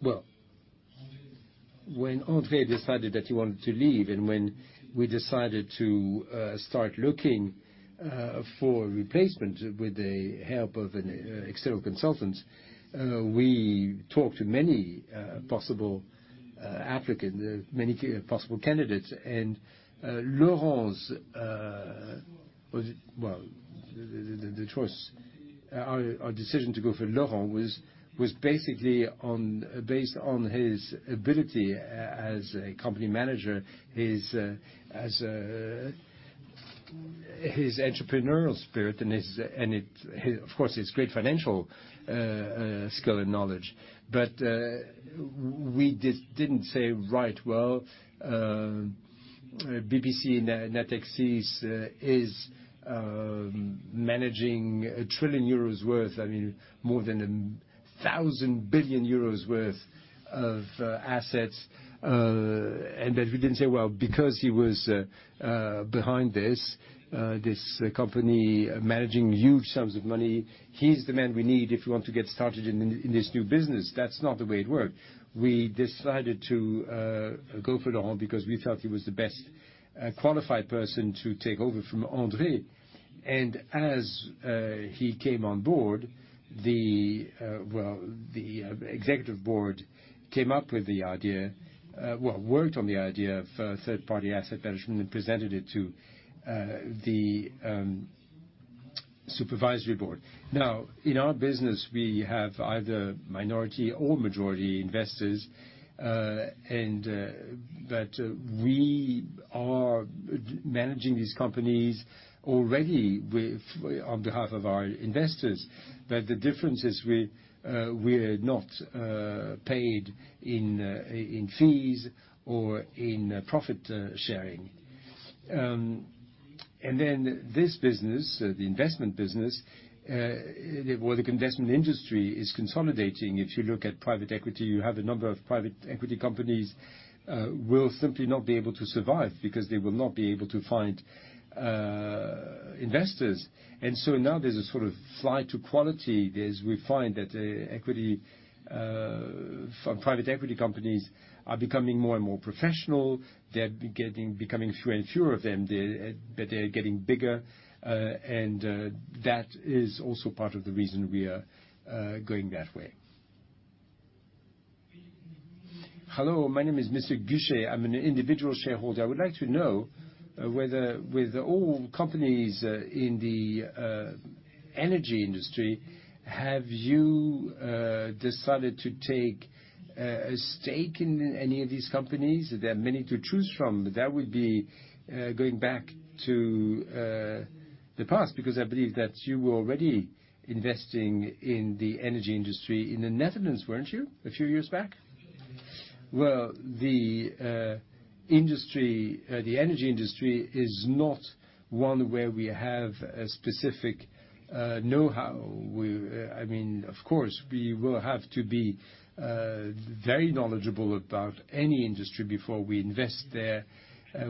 S2: When André decided that he wanted to leave, when we decided to start looking for a replacement with the help of an external consultant, we talked to many possible applicants, many possible candidates. Laurent's, well, the choice, our decision to go for Laurent was basically on, based on his ability as a company manager, his as his entrepreneurial spirit and his, of course, his great financial skill and knowledge. g 1 trillion euros worth, more than 1,000 billion euros worth of assets. We did not say, "Because he was behind this company managing huge sums of money, he's the man we need if we want to get started in this new business." That's not the way it worked. We decided to go for Laurent because we thought he was the best qualified person to take over from André. As he came on board, the Executive Board came up with the idea, worked on the idea of third-party asset management and presented it to the Supervisory Board In our business, we have either minority or majority investors, and we are managing these companies already with, on behalf of our investors. The difference is we're not paid in fees or in profit sharing. This business, the investment business, the investment industry is consolidating. If you look at private equity, you have a number of private equity companies will simply not be able to survive because they will not be able to find investors. Now there's a sort of flight to quality. We find that equity for private equity companies are becoming more and more professional. They're becoming fewer and fewer of them, but they're getting bigger, and that is also part of the reason we are going that way. Hello, my name is Mr. Gucher. I'm an individual shareholder. I would like to know whether with all companies in the energy industry, have you decided to take a stake in any of these companies? There are many to choose from. That would be going back to the past, because I believe that you were already investing in the energy industry in the Netherlands, weren't you, a few years back? Well, the industry, the energy industry is not one where we have a specific know-how. We, I mean, of course, we will have to be very knowledgeable about any industry before we invest there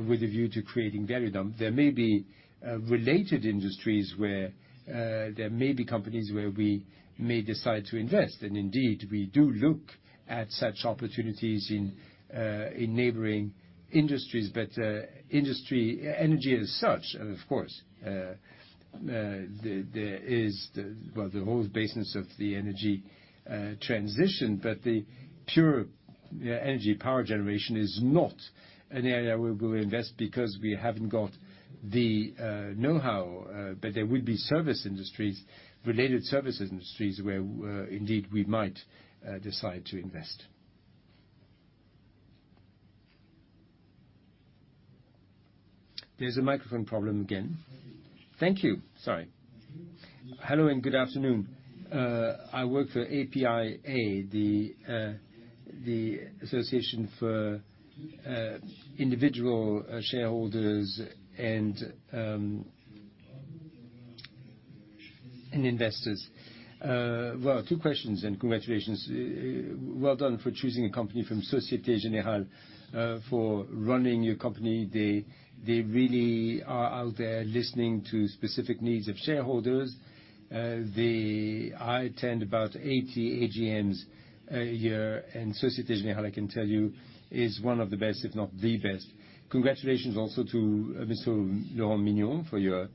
S2: with a view to creating value. There may be related industries where there may be companies where we may decide to invest, and indeed, we do look at such opportunities in neighboring industries, but industry, energy as such, of course, there is well, the whole basis of the energy transition, but the pure energy power generation is not an area where we will invest because we haven't got the know-how, but there will be service industries, related service industries, where indeed, we might decide to invest. There's a microphone problem again. Thank you. Sorry. Hello, good afternoon. I work for APIA, the Association for Individual Shareholders and Investors. 2 questions, congratulations, well done for choosing a company from Société Générale for running your company. They really are out there listening to specific needs of shareholders. I attend about 80 AGMs a year, Société Générale, I can tell you, is one of the best, if not the best. Congratulations also to Mr. Laurent Mignon for your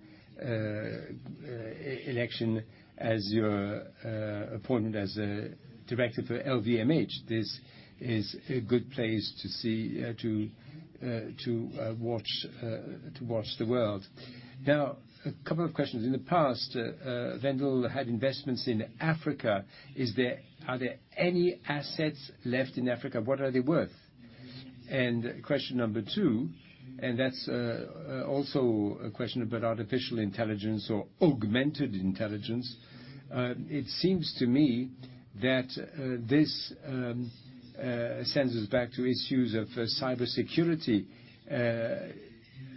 S2: election as appointment as a director for LVMH. This is a good place to see to watch the world. A couple of questions. In the past, Wendel had investments in Africa. Are there any assets left in Africa? What are they worth? Question number 2, and that's also a question about artificial intelligence or augmented intelligence. It seems to me that this sends us back to issues of cybersecurity.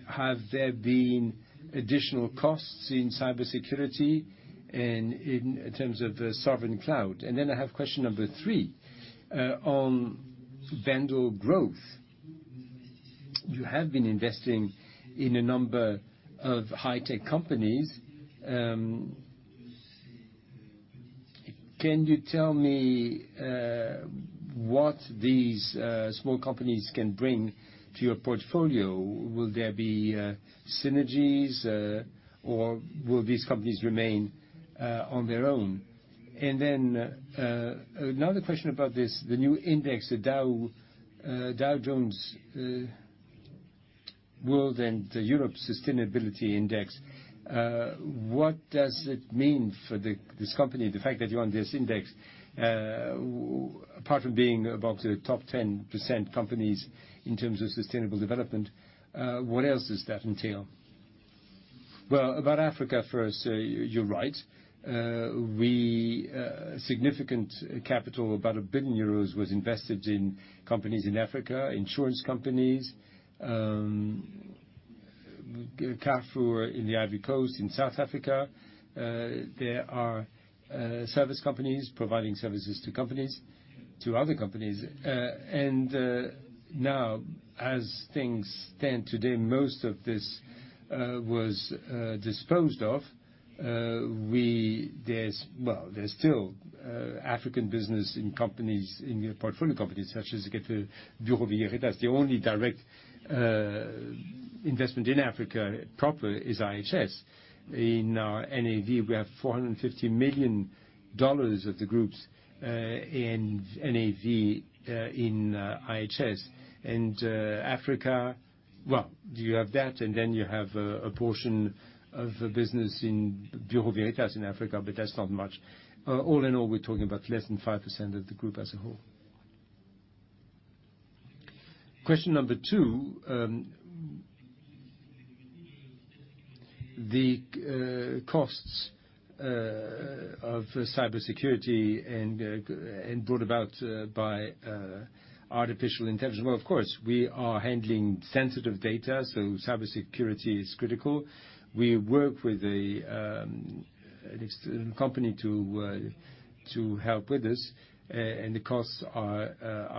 S2: Have there been additional costs in cybersecurity and in terms of the sovereign cloud? I have question number 3 on Wendel Growth. You have been investing in a number of high-tech companies. Can you tell me what these small companies can bring to your portfolio? Will there be synergies, or will these companies remain on their own? Another question about this, the new index, the Dow Jones World and the Europe Sustainability Index. What does it mean for this company, the fact that you're on this index, apart from being about the top 10% companies in terms of sustainable development, what else does that entail? Well, about Africa first, you're right. We significant capital, about 1 billion euros, was invested in companies in Africa, insurance companies, Carrefour in the Ivory Coast, in South Africa. There are service companies providing services to companies, to other companies. Now, as things stand today, most of this was disposed of. There's, well, there's still African business in companies, in your portfolio companies such as Bureau Veritas. The only direct investment in Africa proper is IHS. In our NAV, we have $450 million of the groups in NAV in IHS. Well, you have that, and then you have a portion of the business in Bureau Veritas in Africa, but that's not much. All in all, we're talking about less than 5% of the group as a whole. Question number 2, the costs of cybersecurity brought about by artificial intelligence. Well, of course, we are handling sensitive data, so cybersecurity is critical. We work with at least a company to help with this, and the costs are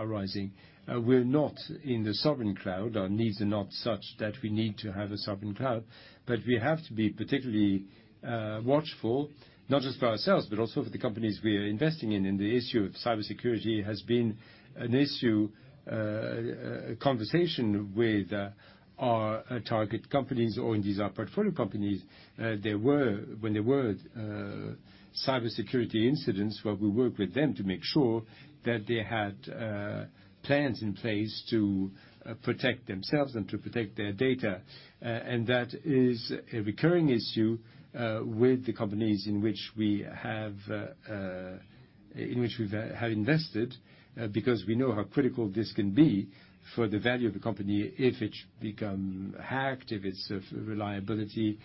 S2: rising. We're not in the sovereign cloud. Our needs are not such that we need to have a sovereign cloud, but we have to be particularly watchful, not just for ourselves, but also for the companies we are investing in. The issue of cybersecurity has been an issue, conversation with our target companies, or indeed, our portfolio companies. When there were cybersecurity incidents, where we worked with them to make sure that they had plans in place to protect themselves and to protect their data. That is a recurring issue with the companies in which we have in which we've invested, because we know how critical this can be for the value of the company if it should become hacked, if its reliability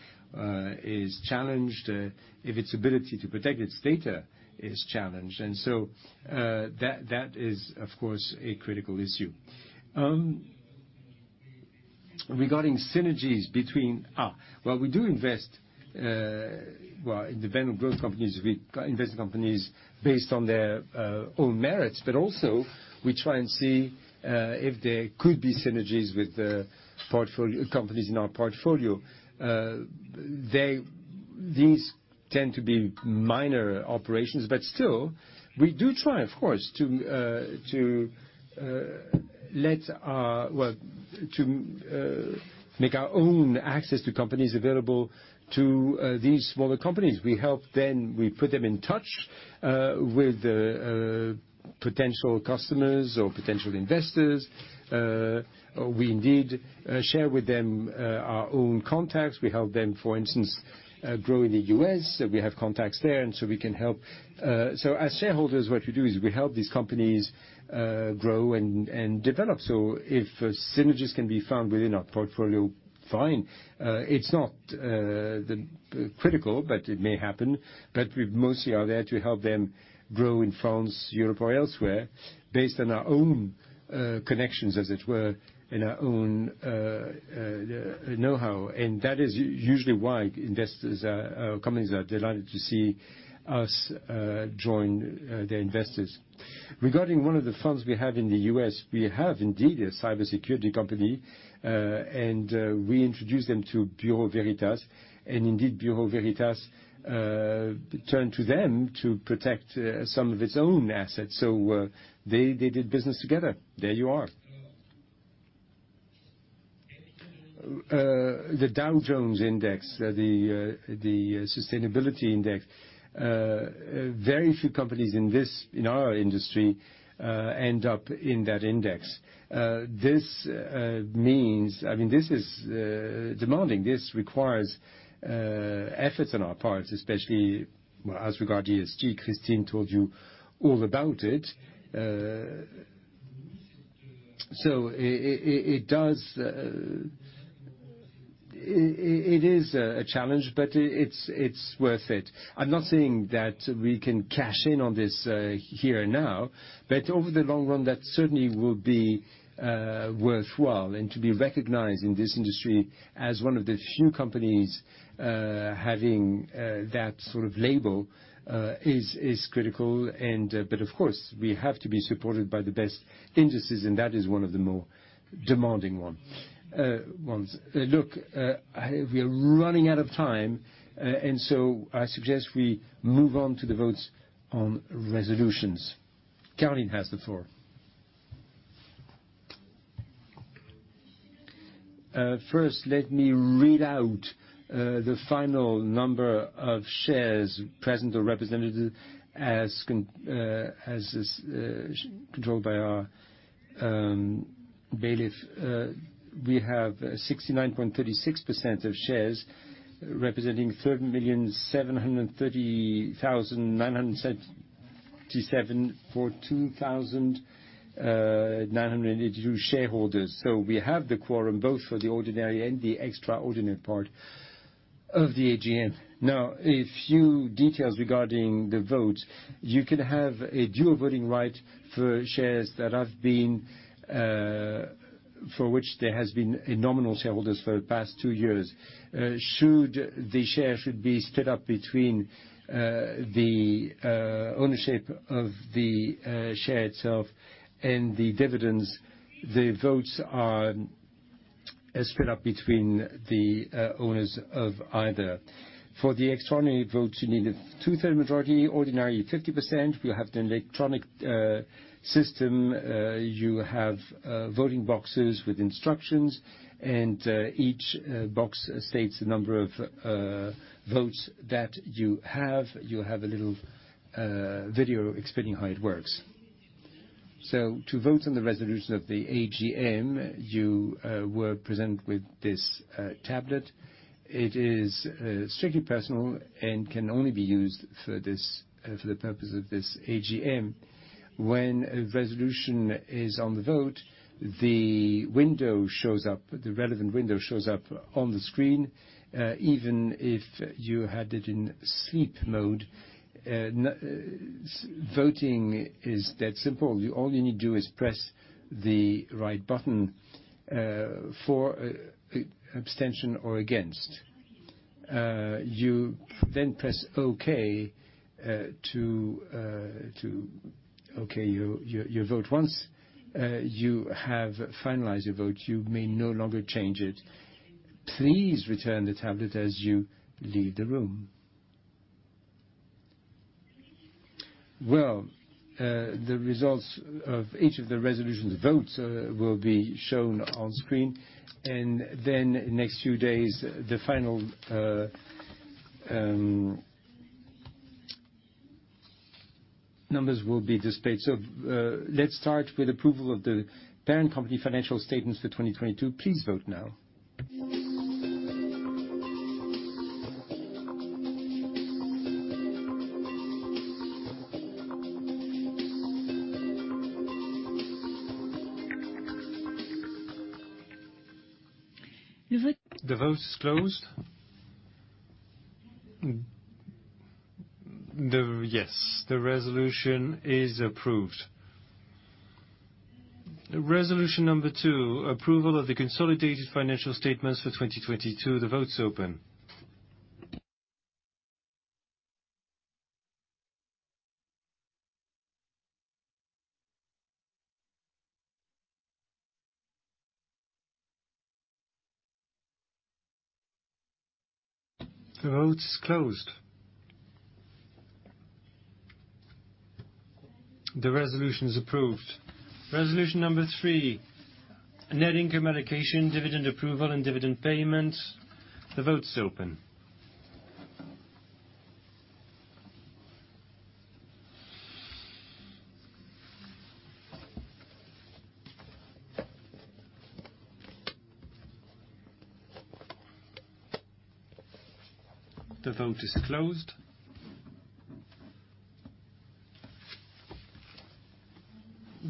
S2: is challenged, if its ability to protect its data is challenged. That is, of course, a critical issue. Regarding synergies between... Well, we do invest, well, in the venture growth companies. We invest in companies based on their own merits, but also we try and see if there could be synergies with the portfolio companies in our portfolio. These tend to be minor operations, but still, we do try, of course, to let our, well, to make our own access to companies available to these smaller companies. We help them. We put them in touch with potential customers or potential investors. We indeed share with them our own contacts. We help them, for instance, grow in the U.S. We have contacts there, and so we can help. So as shareholders, what we do is we help these companies grow and develop. If synergies can be found within our portfolio, fine. It's not the critical, but it may happen, but we mostly are there to help them grow in France, Europe, or elsewhere, based on our own connections, as it were, and our own know-how. That is usually why investors, companies are delighted to see us join their investors. Regarding one of the funds we have in the U.S., we have indeed a cybersecurity company, and we introduced them to Bureau Veritas, and indeed, Bureau Veritas turned to them to protect some of its own assets. They did business together. There you are. The Dow Jones index, the sustainability index, very few companies in this, in our industry, end up in that index. This means, I mean, this is demanding. This requires efforts on our part, especially, well, as regard to ESG, Christine told you all about it. It does, it is a challenge, but it's worth it. I'm not saying that we can cash in on this here and now, but over the long run, that certainly will be worthwhile. To be recognized in this industry as one of the few companies having that sort of label is critical, and. Of course, we have to be supported by the best indices, and that is one of the more demanding ones. Look, we are running out of time, and so I suggest we move on to the votes on resolutions. Caroline has the floor. First, let me read out the final number of shares present or represented as is controlled by our bailiff. We have 69.36% of shares, representing 3,730,977 for 2,982 shareholders. We have the quorum, both for the ordinary and the extraordinary part of the AGM. A few details regarding the votes. You can have a dual voting right for shares that have been for which there has been a nominal shareholders for the past two years. Should the share be split up between the ownership of the share itself and the dividends, the votes are split up between the owners of either. For the extraordinary votes, you need a two-third majority, ordinary, 50%. We have the electronic system. You have voting boxes with instructions, and each box states the number of votes that you have. You have a little video explaining how it works. To vote on the resolution of the AGM, you were presented with this tablet. It is strictly personal and can only be used for this for the purpose of this AGM. When a resolution is on the vote, the window shows up, the relevant window shows up on the screen, even if you had it in sleep mode. Voting is that simple. All you need to do is press the right button for abstention or against. You then press Okay to okay your vote. Once you have finalized your vote, you may no longer change it. Please return the tablet as you leave the room. Well, the results of each of the resolutions votes will be shown on screen, next few days, the final numbers will be displayed. Let's start with approval of the parent company financial statements for 2022. Please vote now. The vote is closed. Yes, the resolution is approved. Resolution number 2: Approval of the consolidated financial statements for 2022. The vote is open. The vote is closed. The resolution is approved. Resolution number 3: Net income allocation, dividend approval, and dividend payment. The vote is open. The vote is closed.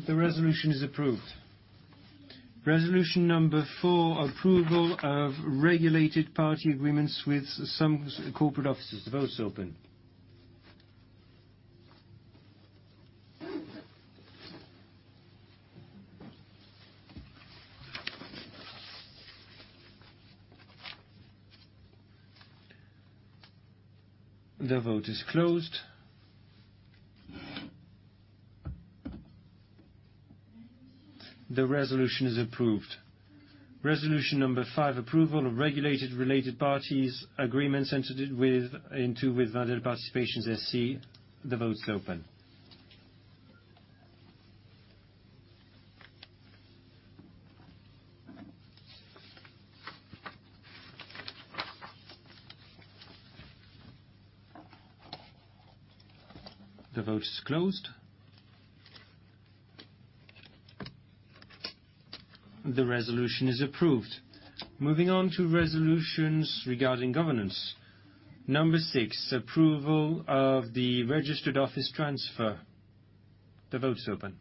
S2: The resolution is approved. Resolution number 4: Approval of regulated party agreements with some corporate officers. The vote is open. The vote is closed. The resolution is approved. Resolution number five: Approval of regulated related parties agreements entered into with Value Participations SC. The vote is open. The vote is closed. The resolution is approved. Moving on to resolutions regarding governance. Number six: Approval of the registered office transfer. The vote is open.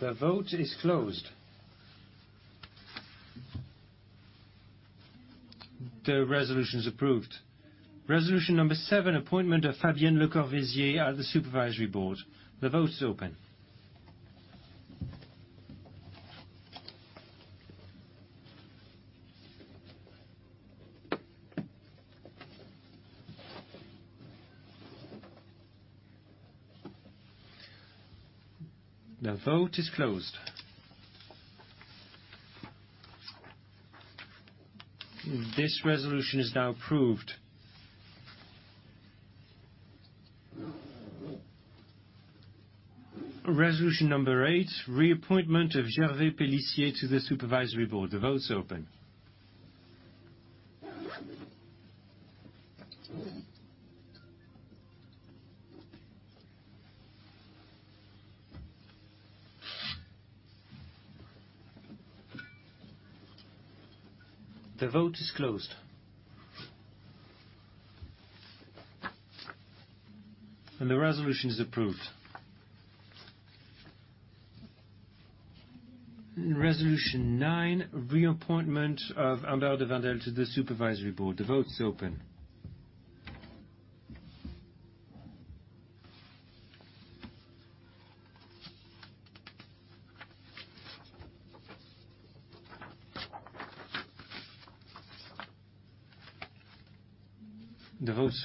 S2: The vote is closed. The resolution is approved. Resolution number seven: Appointment of Fabienne Lecorvaisier at the supervisory board. The vote is open. The vote is closed. This resolution is now approved. Resolution number eight: Reappointment of Gervais Pellissier to the supervisory board. The vote is open. The vote is closed. The resolution is approved. Resolution nine: Reappointment of Humbert de Wendel to the supervisory board. The vote is open.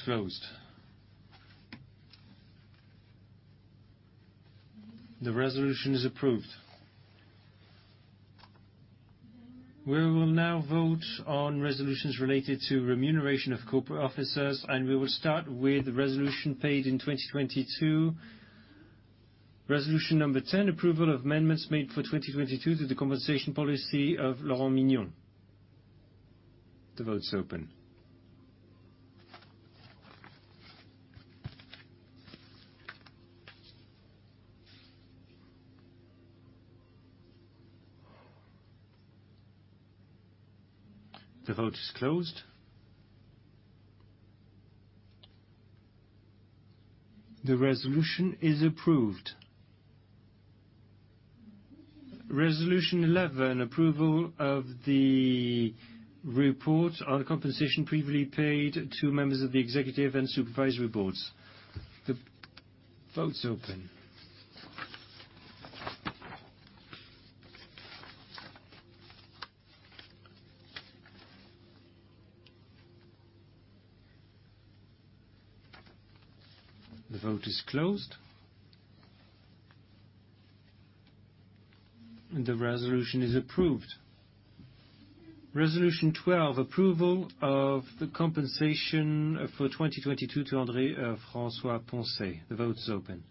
S2: The vote is closed. The resolution is approved.
S1: We will now vote on resolutions related to remuneration of corporate officers, and we will start with the resolution paid in 2022. Resolution number 10, approval of amendments made for 2022 to the compensation policy of Laurent Mignon. The vote is open. The vote is closed. The resolution is approved. Resolution 11, approval of the report on the compensation previously paid to members of the executive and supervisory boards. The vote is open. The vote is closed. The resolution is approved. Resolution 12, approval of the compensation for 2022 to André François-Poncet. The vote is open.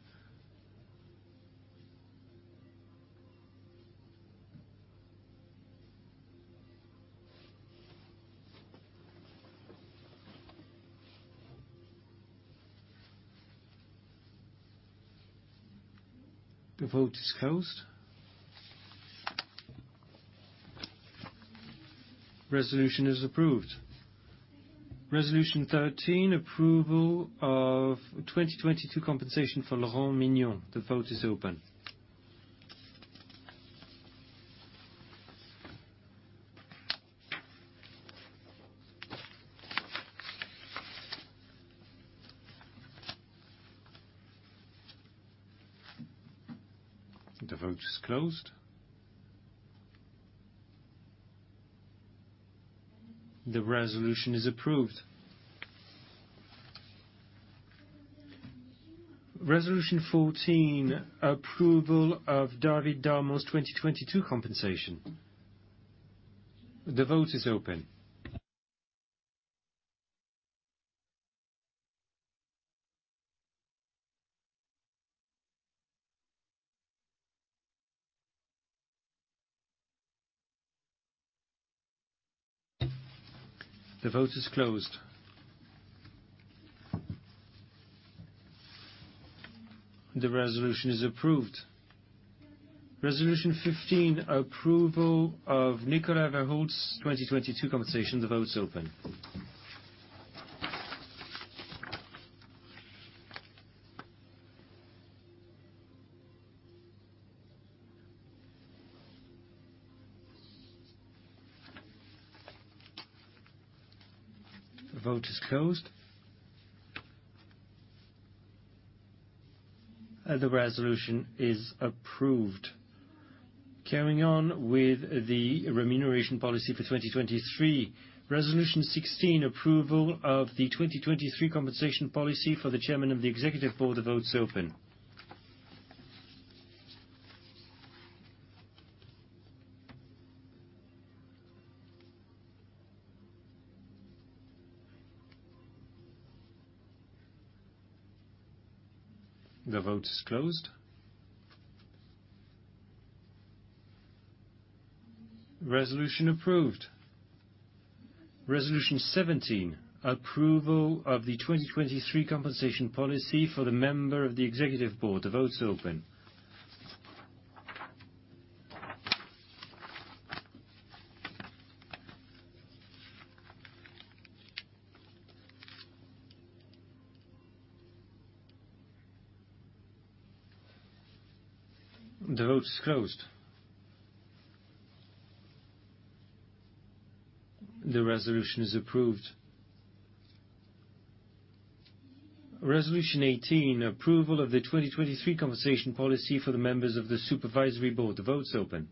S1: The vote is closed. Resolution is approved. Resolution 13, approval of 2022 compensation for Laurent Mignon. The vote is open. The vote is closed. The resolution is approved. Resolution 14, approval of David Darmon's 2022 compensation. The vote is open. The vote is closed. The resolution is approved. Resolution 15, approval of Nicolas ver Hulst's 2022 compensation. The vote is open. The vote is closed. The resolution is approved. Carrying on with the remuneration policy for 2023. Resolution 16, approval of the 2023 compensation policy for the Chairman of the Executive Board. The vote is open. The vote is closed. Resolution approved. Resolution 17, approval of the 2023 compensation policy for the Member of the Executive Board. The vote is open. The vote is closed. The resolution is approved. Resolution 18, approval of the 2023 compensation policy for the Members of the Supervisory Board. The vote is open.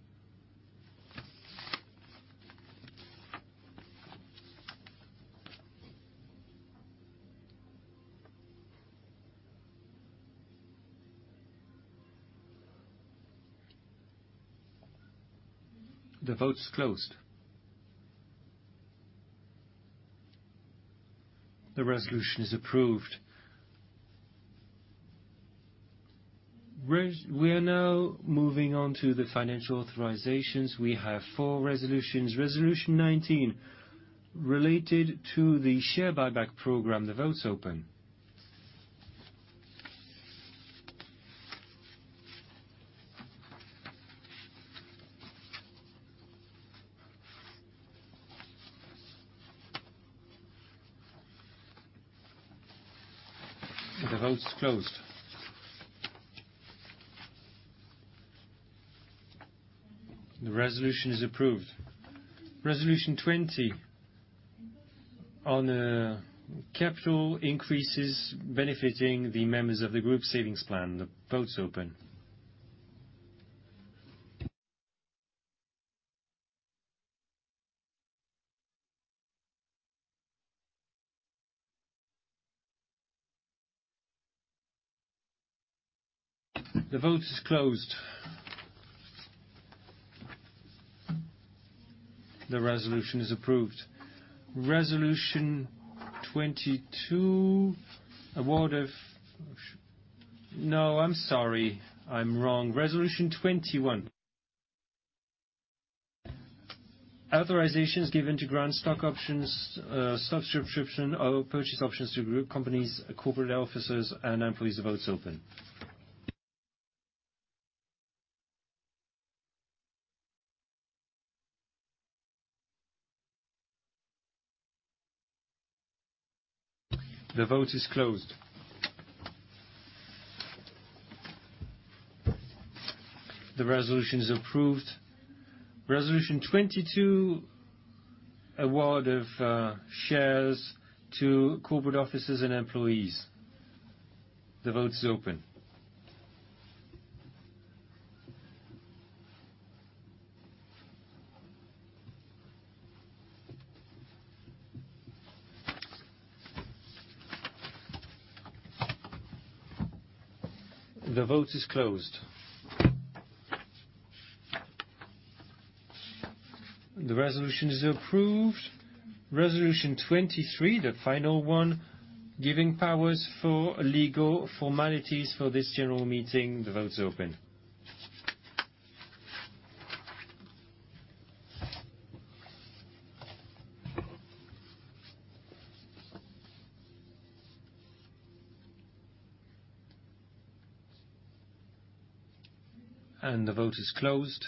S1: The vote is closed. The resolution is approved. We are now moving on to the financial authorizations. We have 4 resolutions. Resolution 19, related to the share buyback program. The vote is open. The vote is closed. The resolution is approved. Resolution 20, on capital increases benefiting the members of the group savings plan. The vote is open.
S5: The vote is closed. The resolution is approved. Resolution 22, award of No, I'm sorry, I'm wrong. Resolution 21. Authorizations given to grant stock options, subscription or purchase options to group companies, corporate officers, and employees. The vote is open. The vote is closed. The resolution is approved. Resolution 22, award of shares to corporate officers and employees. The vote is open. The vote is closed. The resolution is approved. Resolution 23, the final one, giving powers for legal formalities for this general meeting. The vote is open. The vote is closed.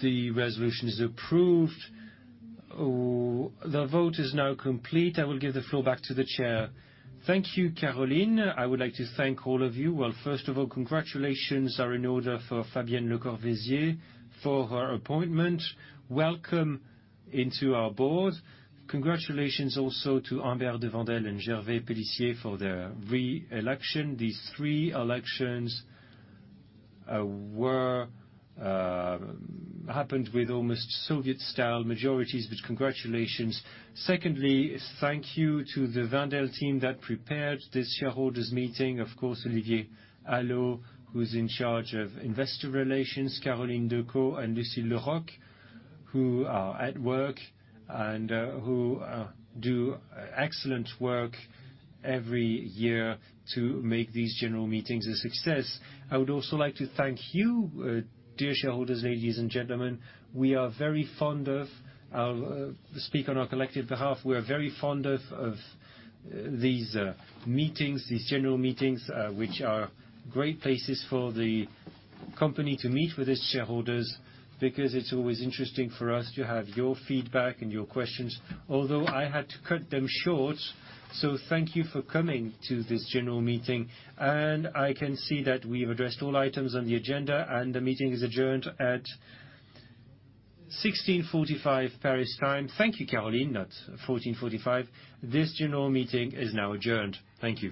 S5: The resolution is approved. The vote is now complete. I will give the floor back to the chair.
S1: Thank you, Caroline. I would like to thank all of you. First of all, congratulations are in order for Fabienne Lecorvaisier for her appointment. Welcome into our Board. Congratulations also to Humbert de Wendel and Gervais Pellissier for their re-election. These three elections happened with almost Soviet-style majorities, but congratulations. Secondly, thank you to the Wendel team that prepared this shareholders meeting. Of course, Olivier Allot, who is in charge of investor relations, Caroline Decaux, and Lucile Roch, who are at work and who do excellent work every year to make these general meetings a success. I would also like to thank you, dear shareholders, ladies and gentlemen. We are very fond of speak on our collective behalf. We are very fond of these meetings, these general meetings, which are great places for the company to meet with its shareholders, because it's always interesting for us to have your feedback and your questions, although I had to cut them short. Thank you for coming to this general meeting, and I can see that we've addressed all items on the agenda, and the meeting is adjourned at 16:45 Paris time. Thank you, Caroline. Not 14:45. This general meeting is now adjourned. Thank you.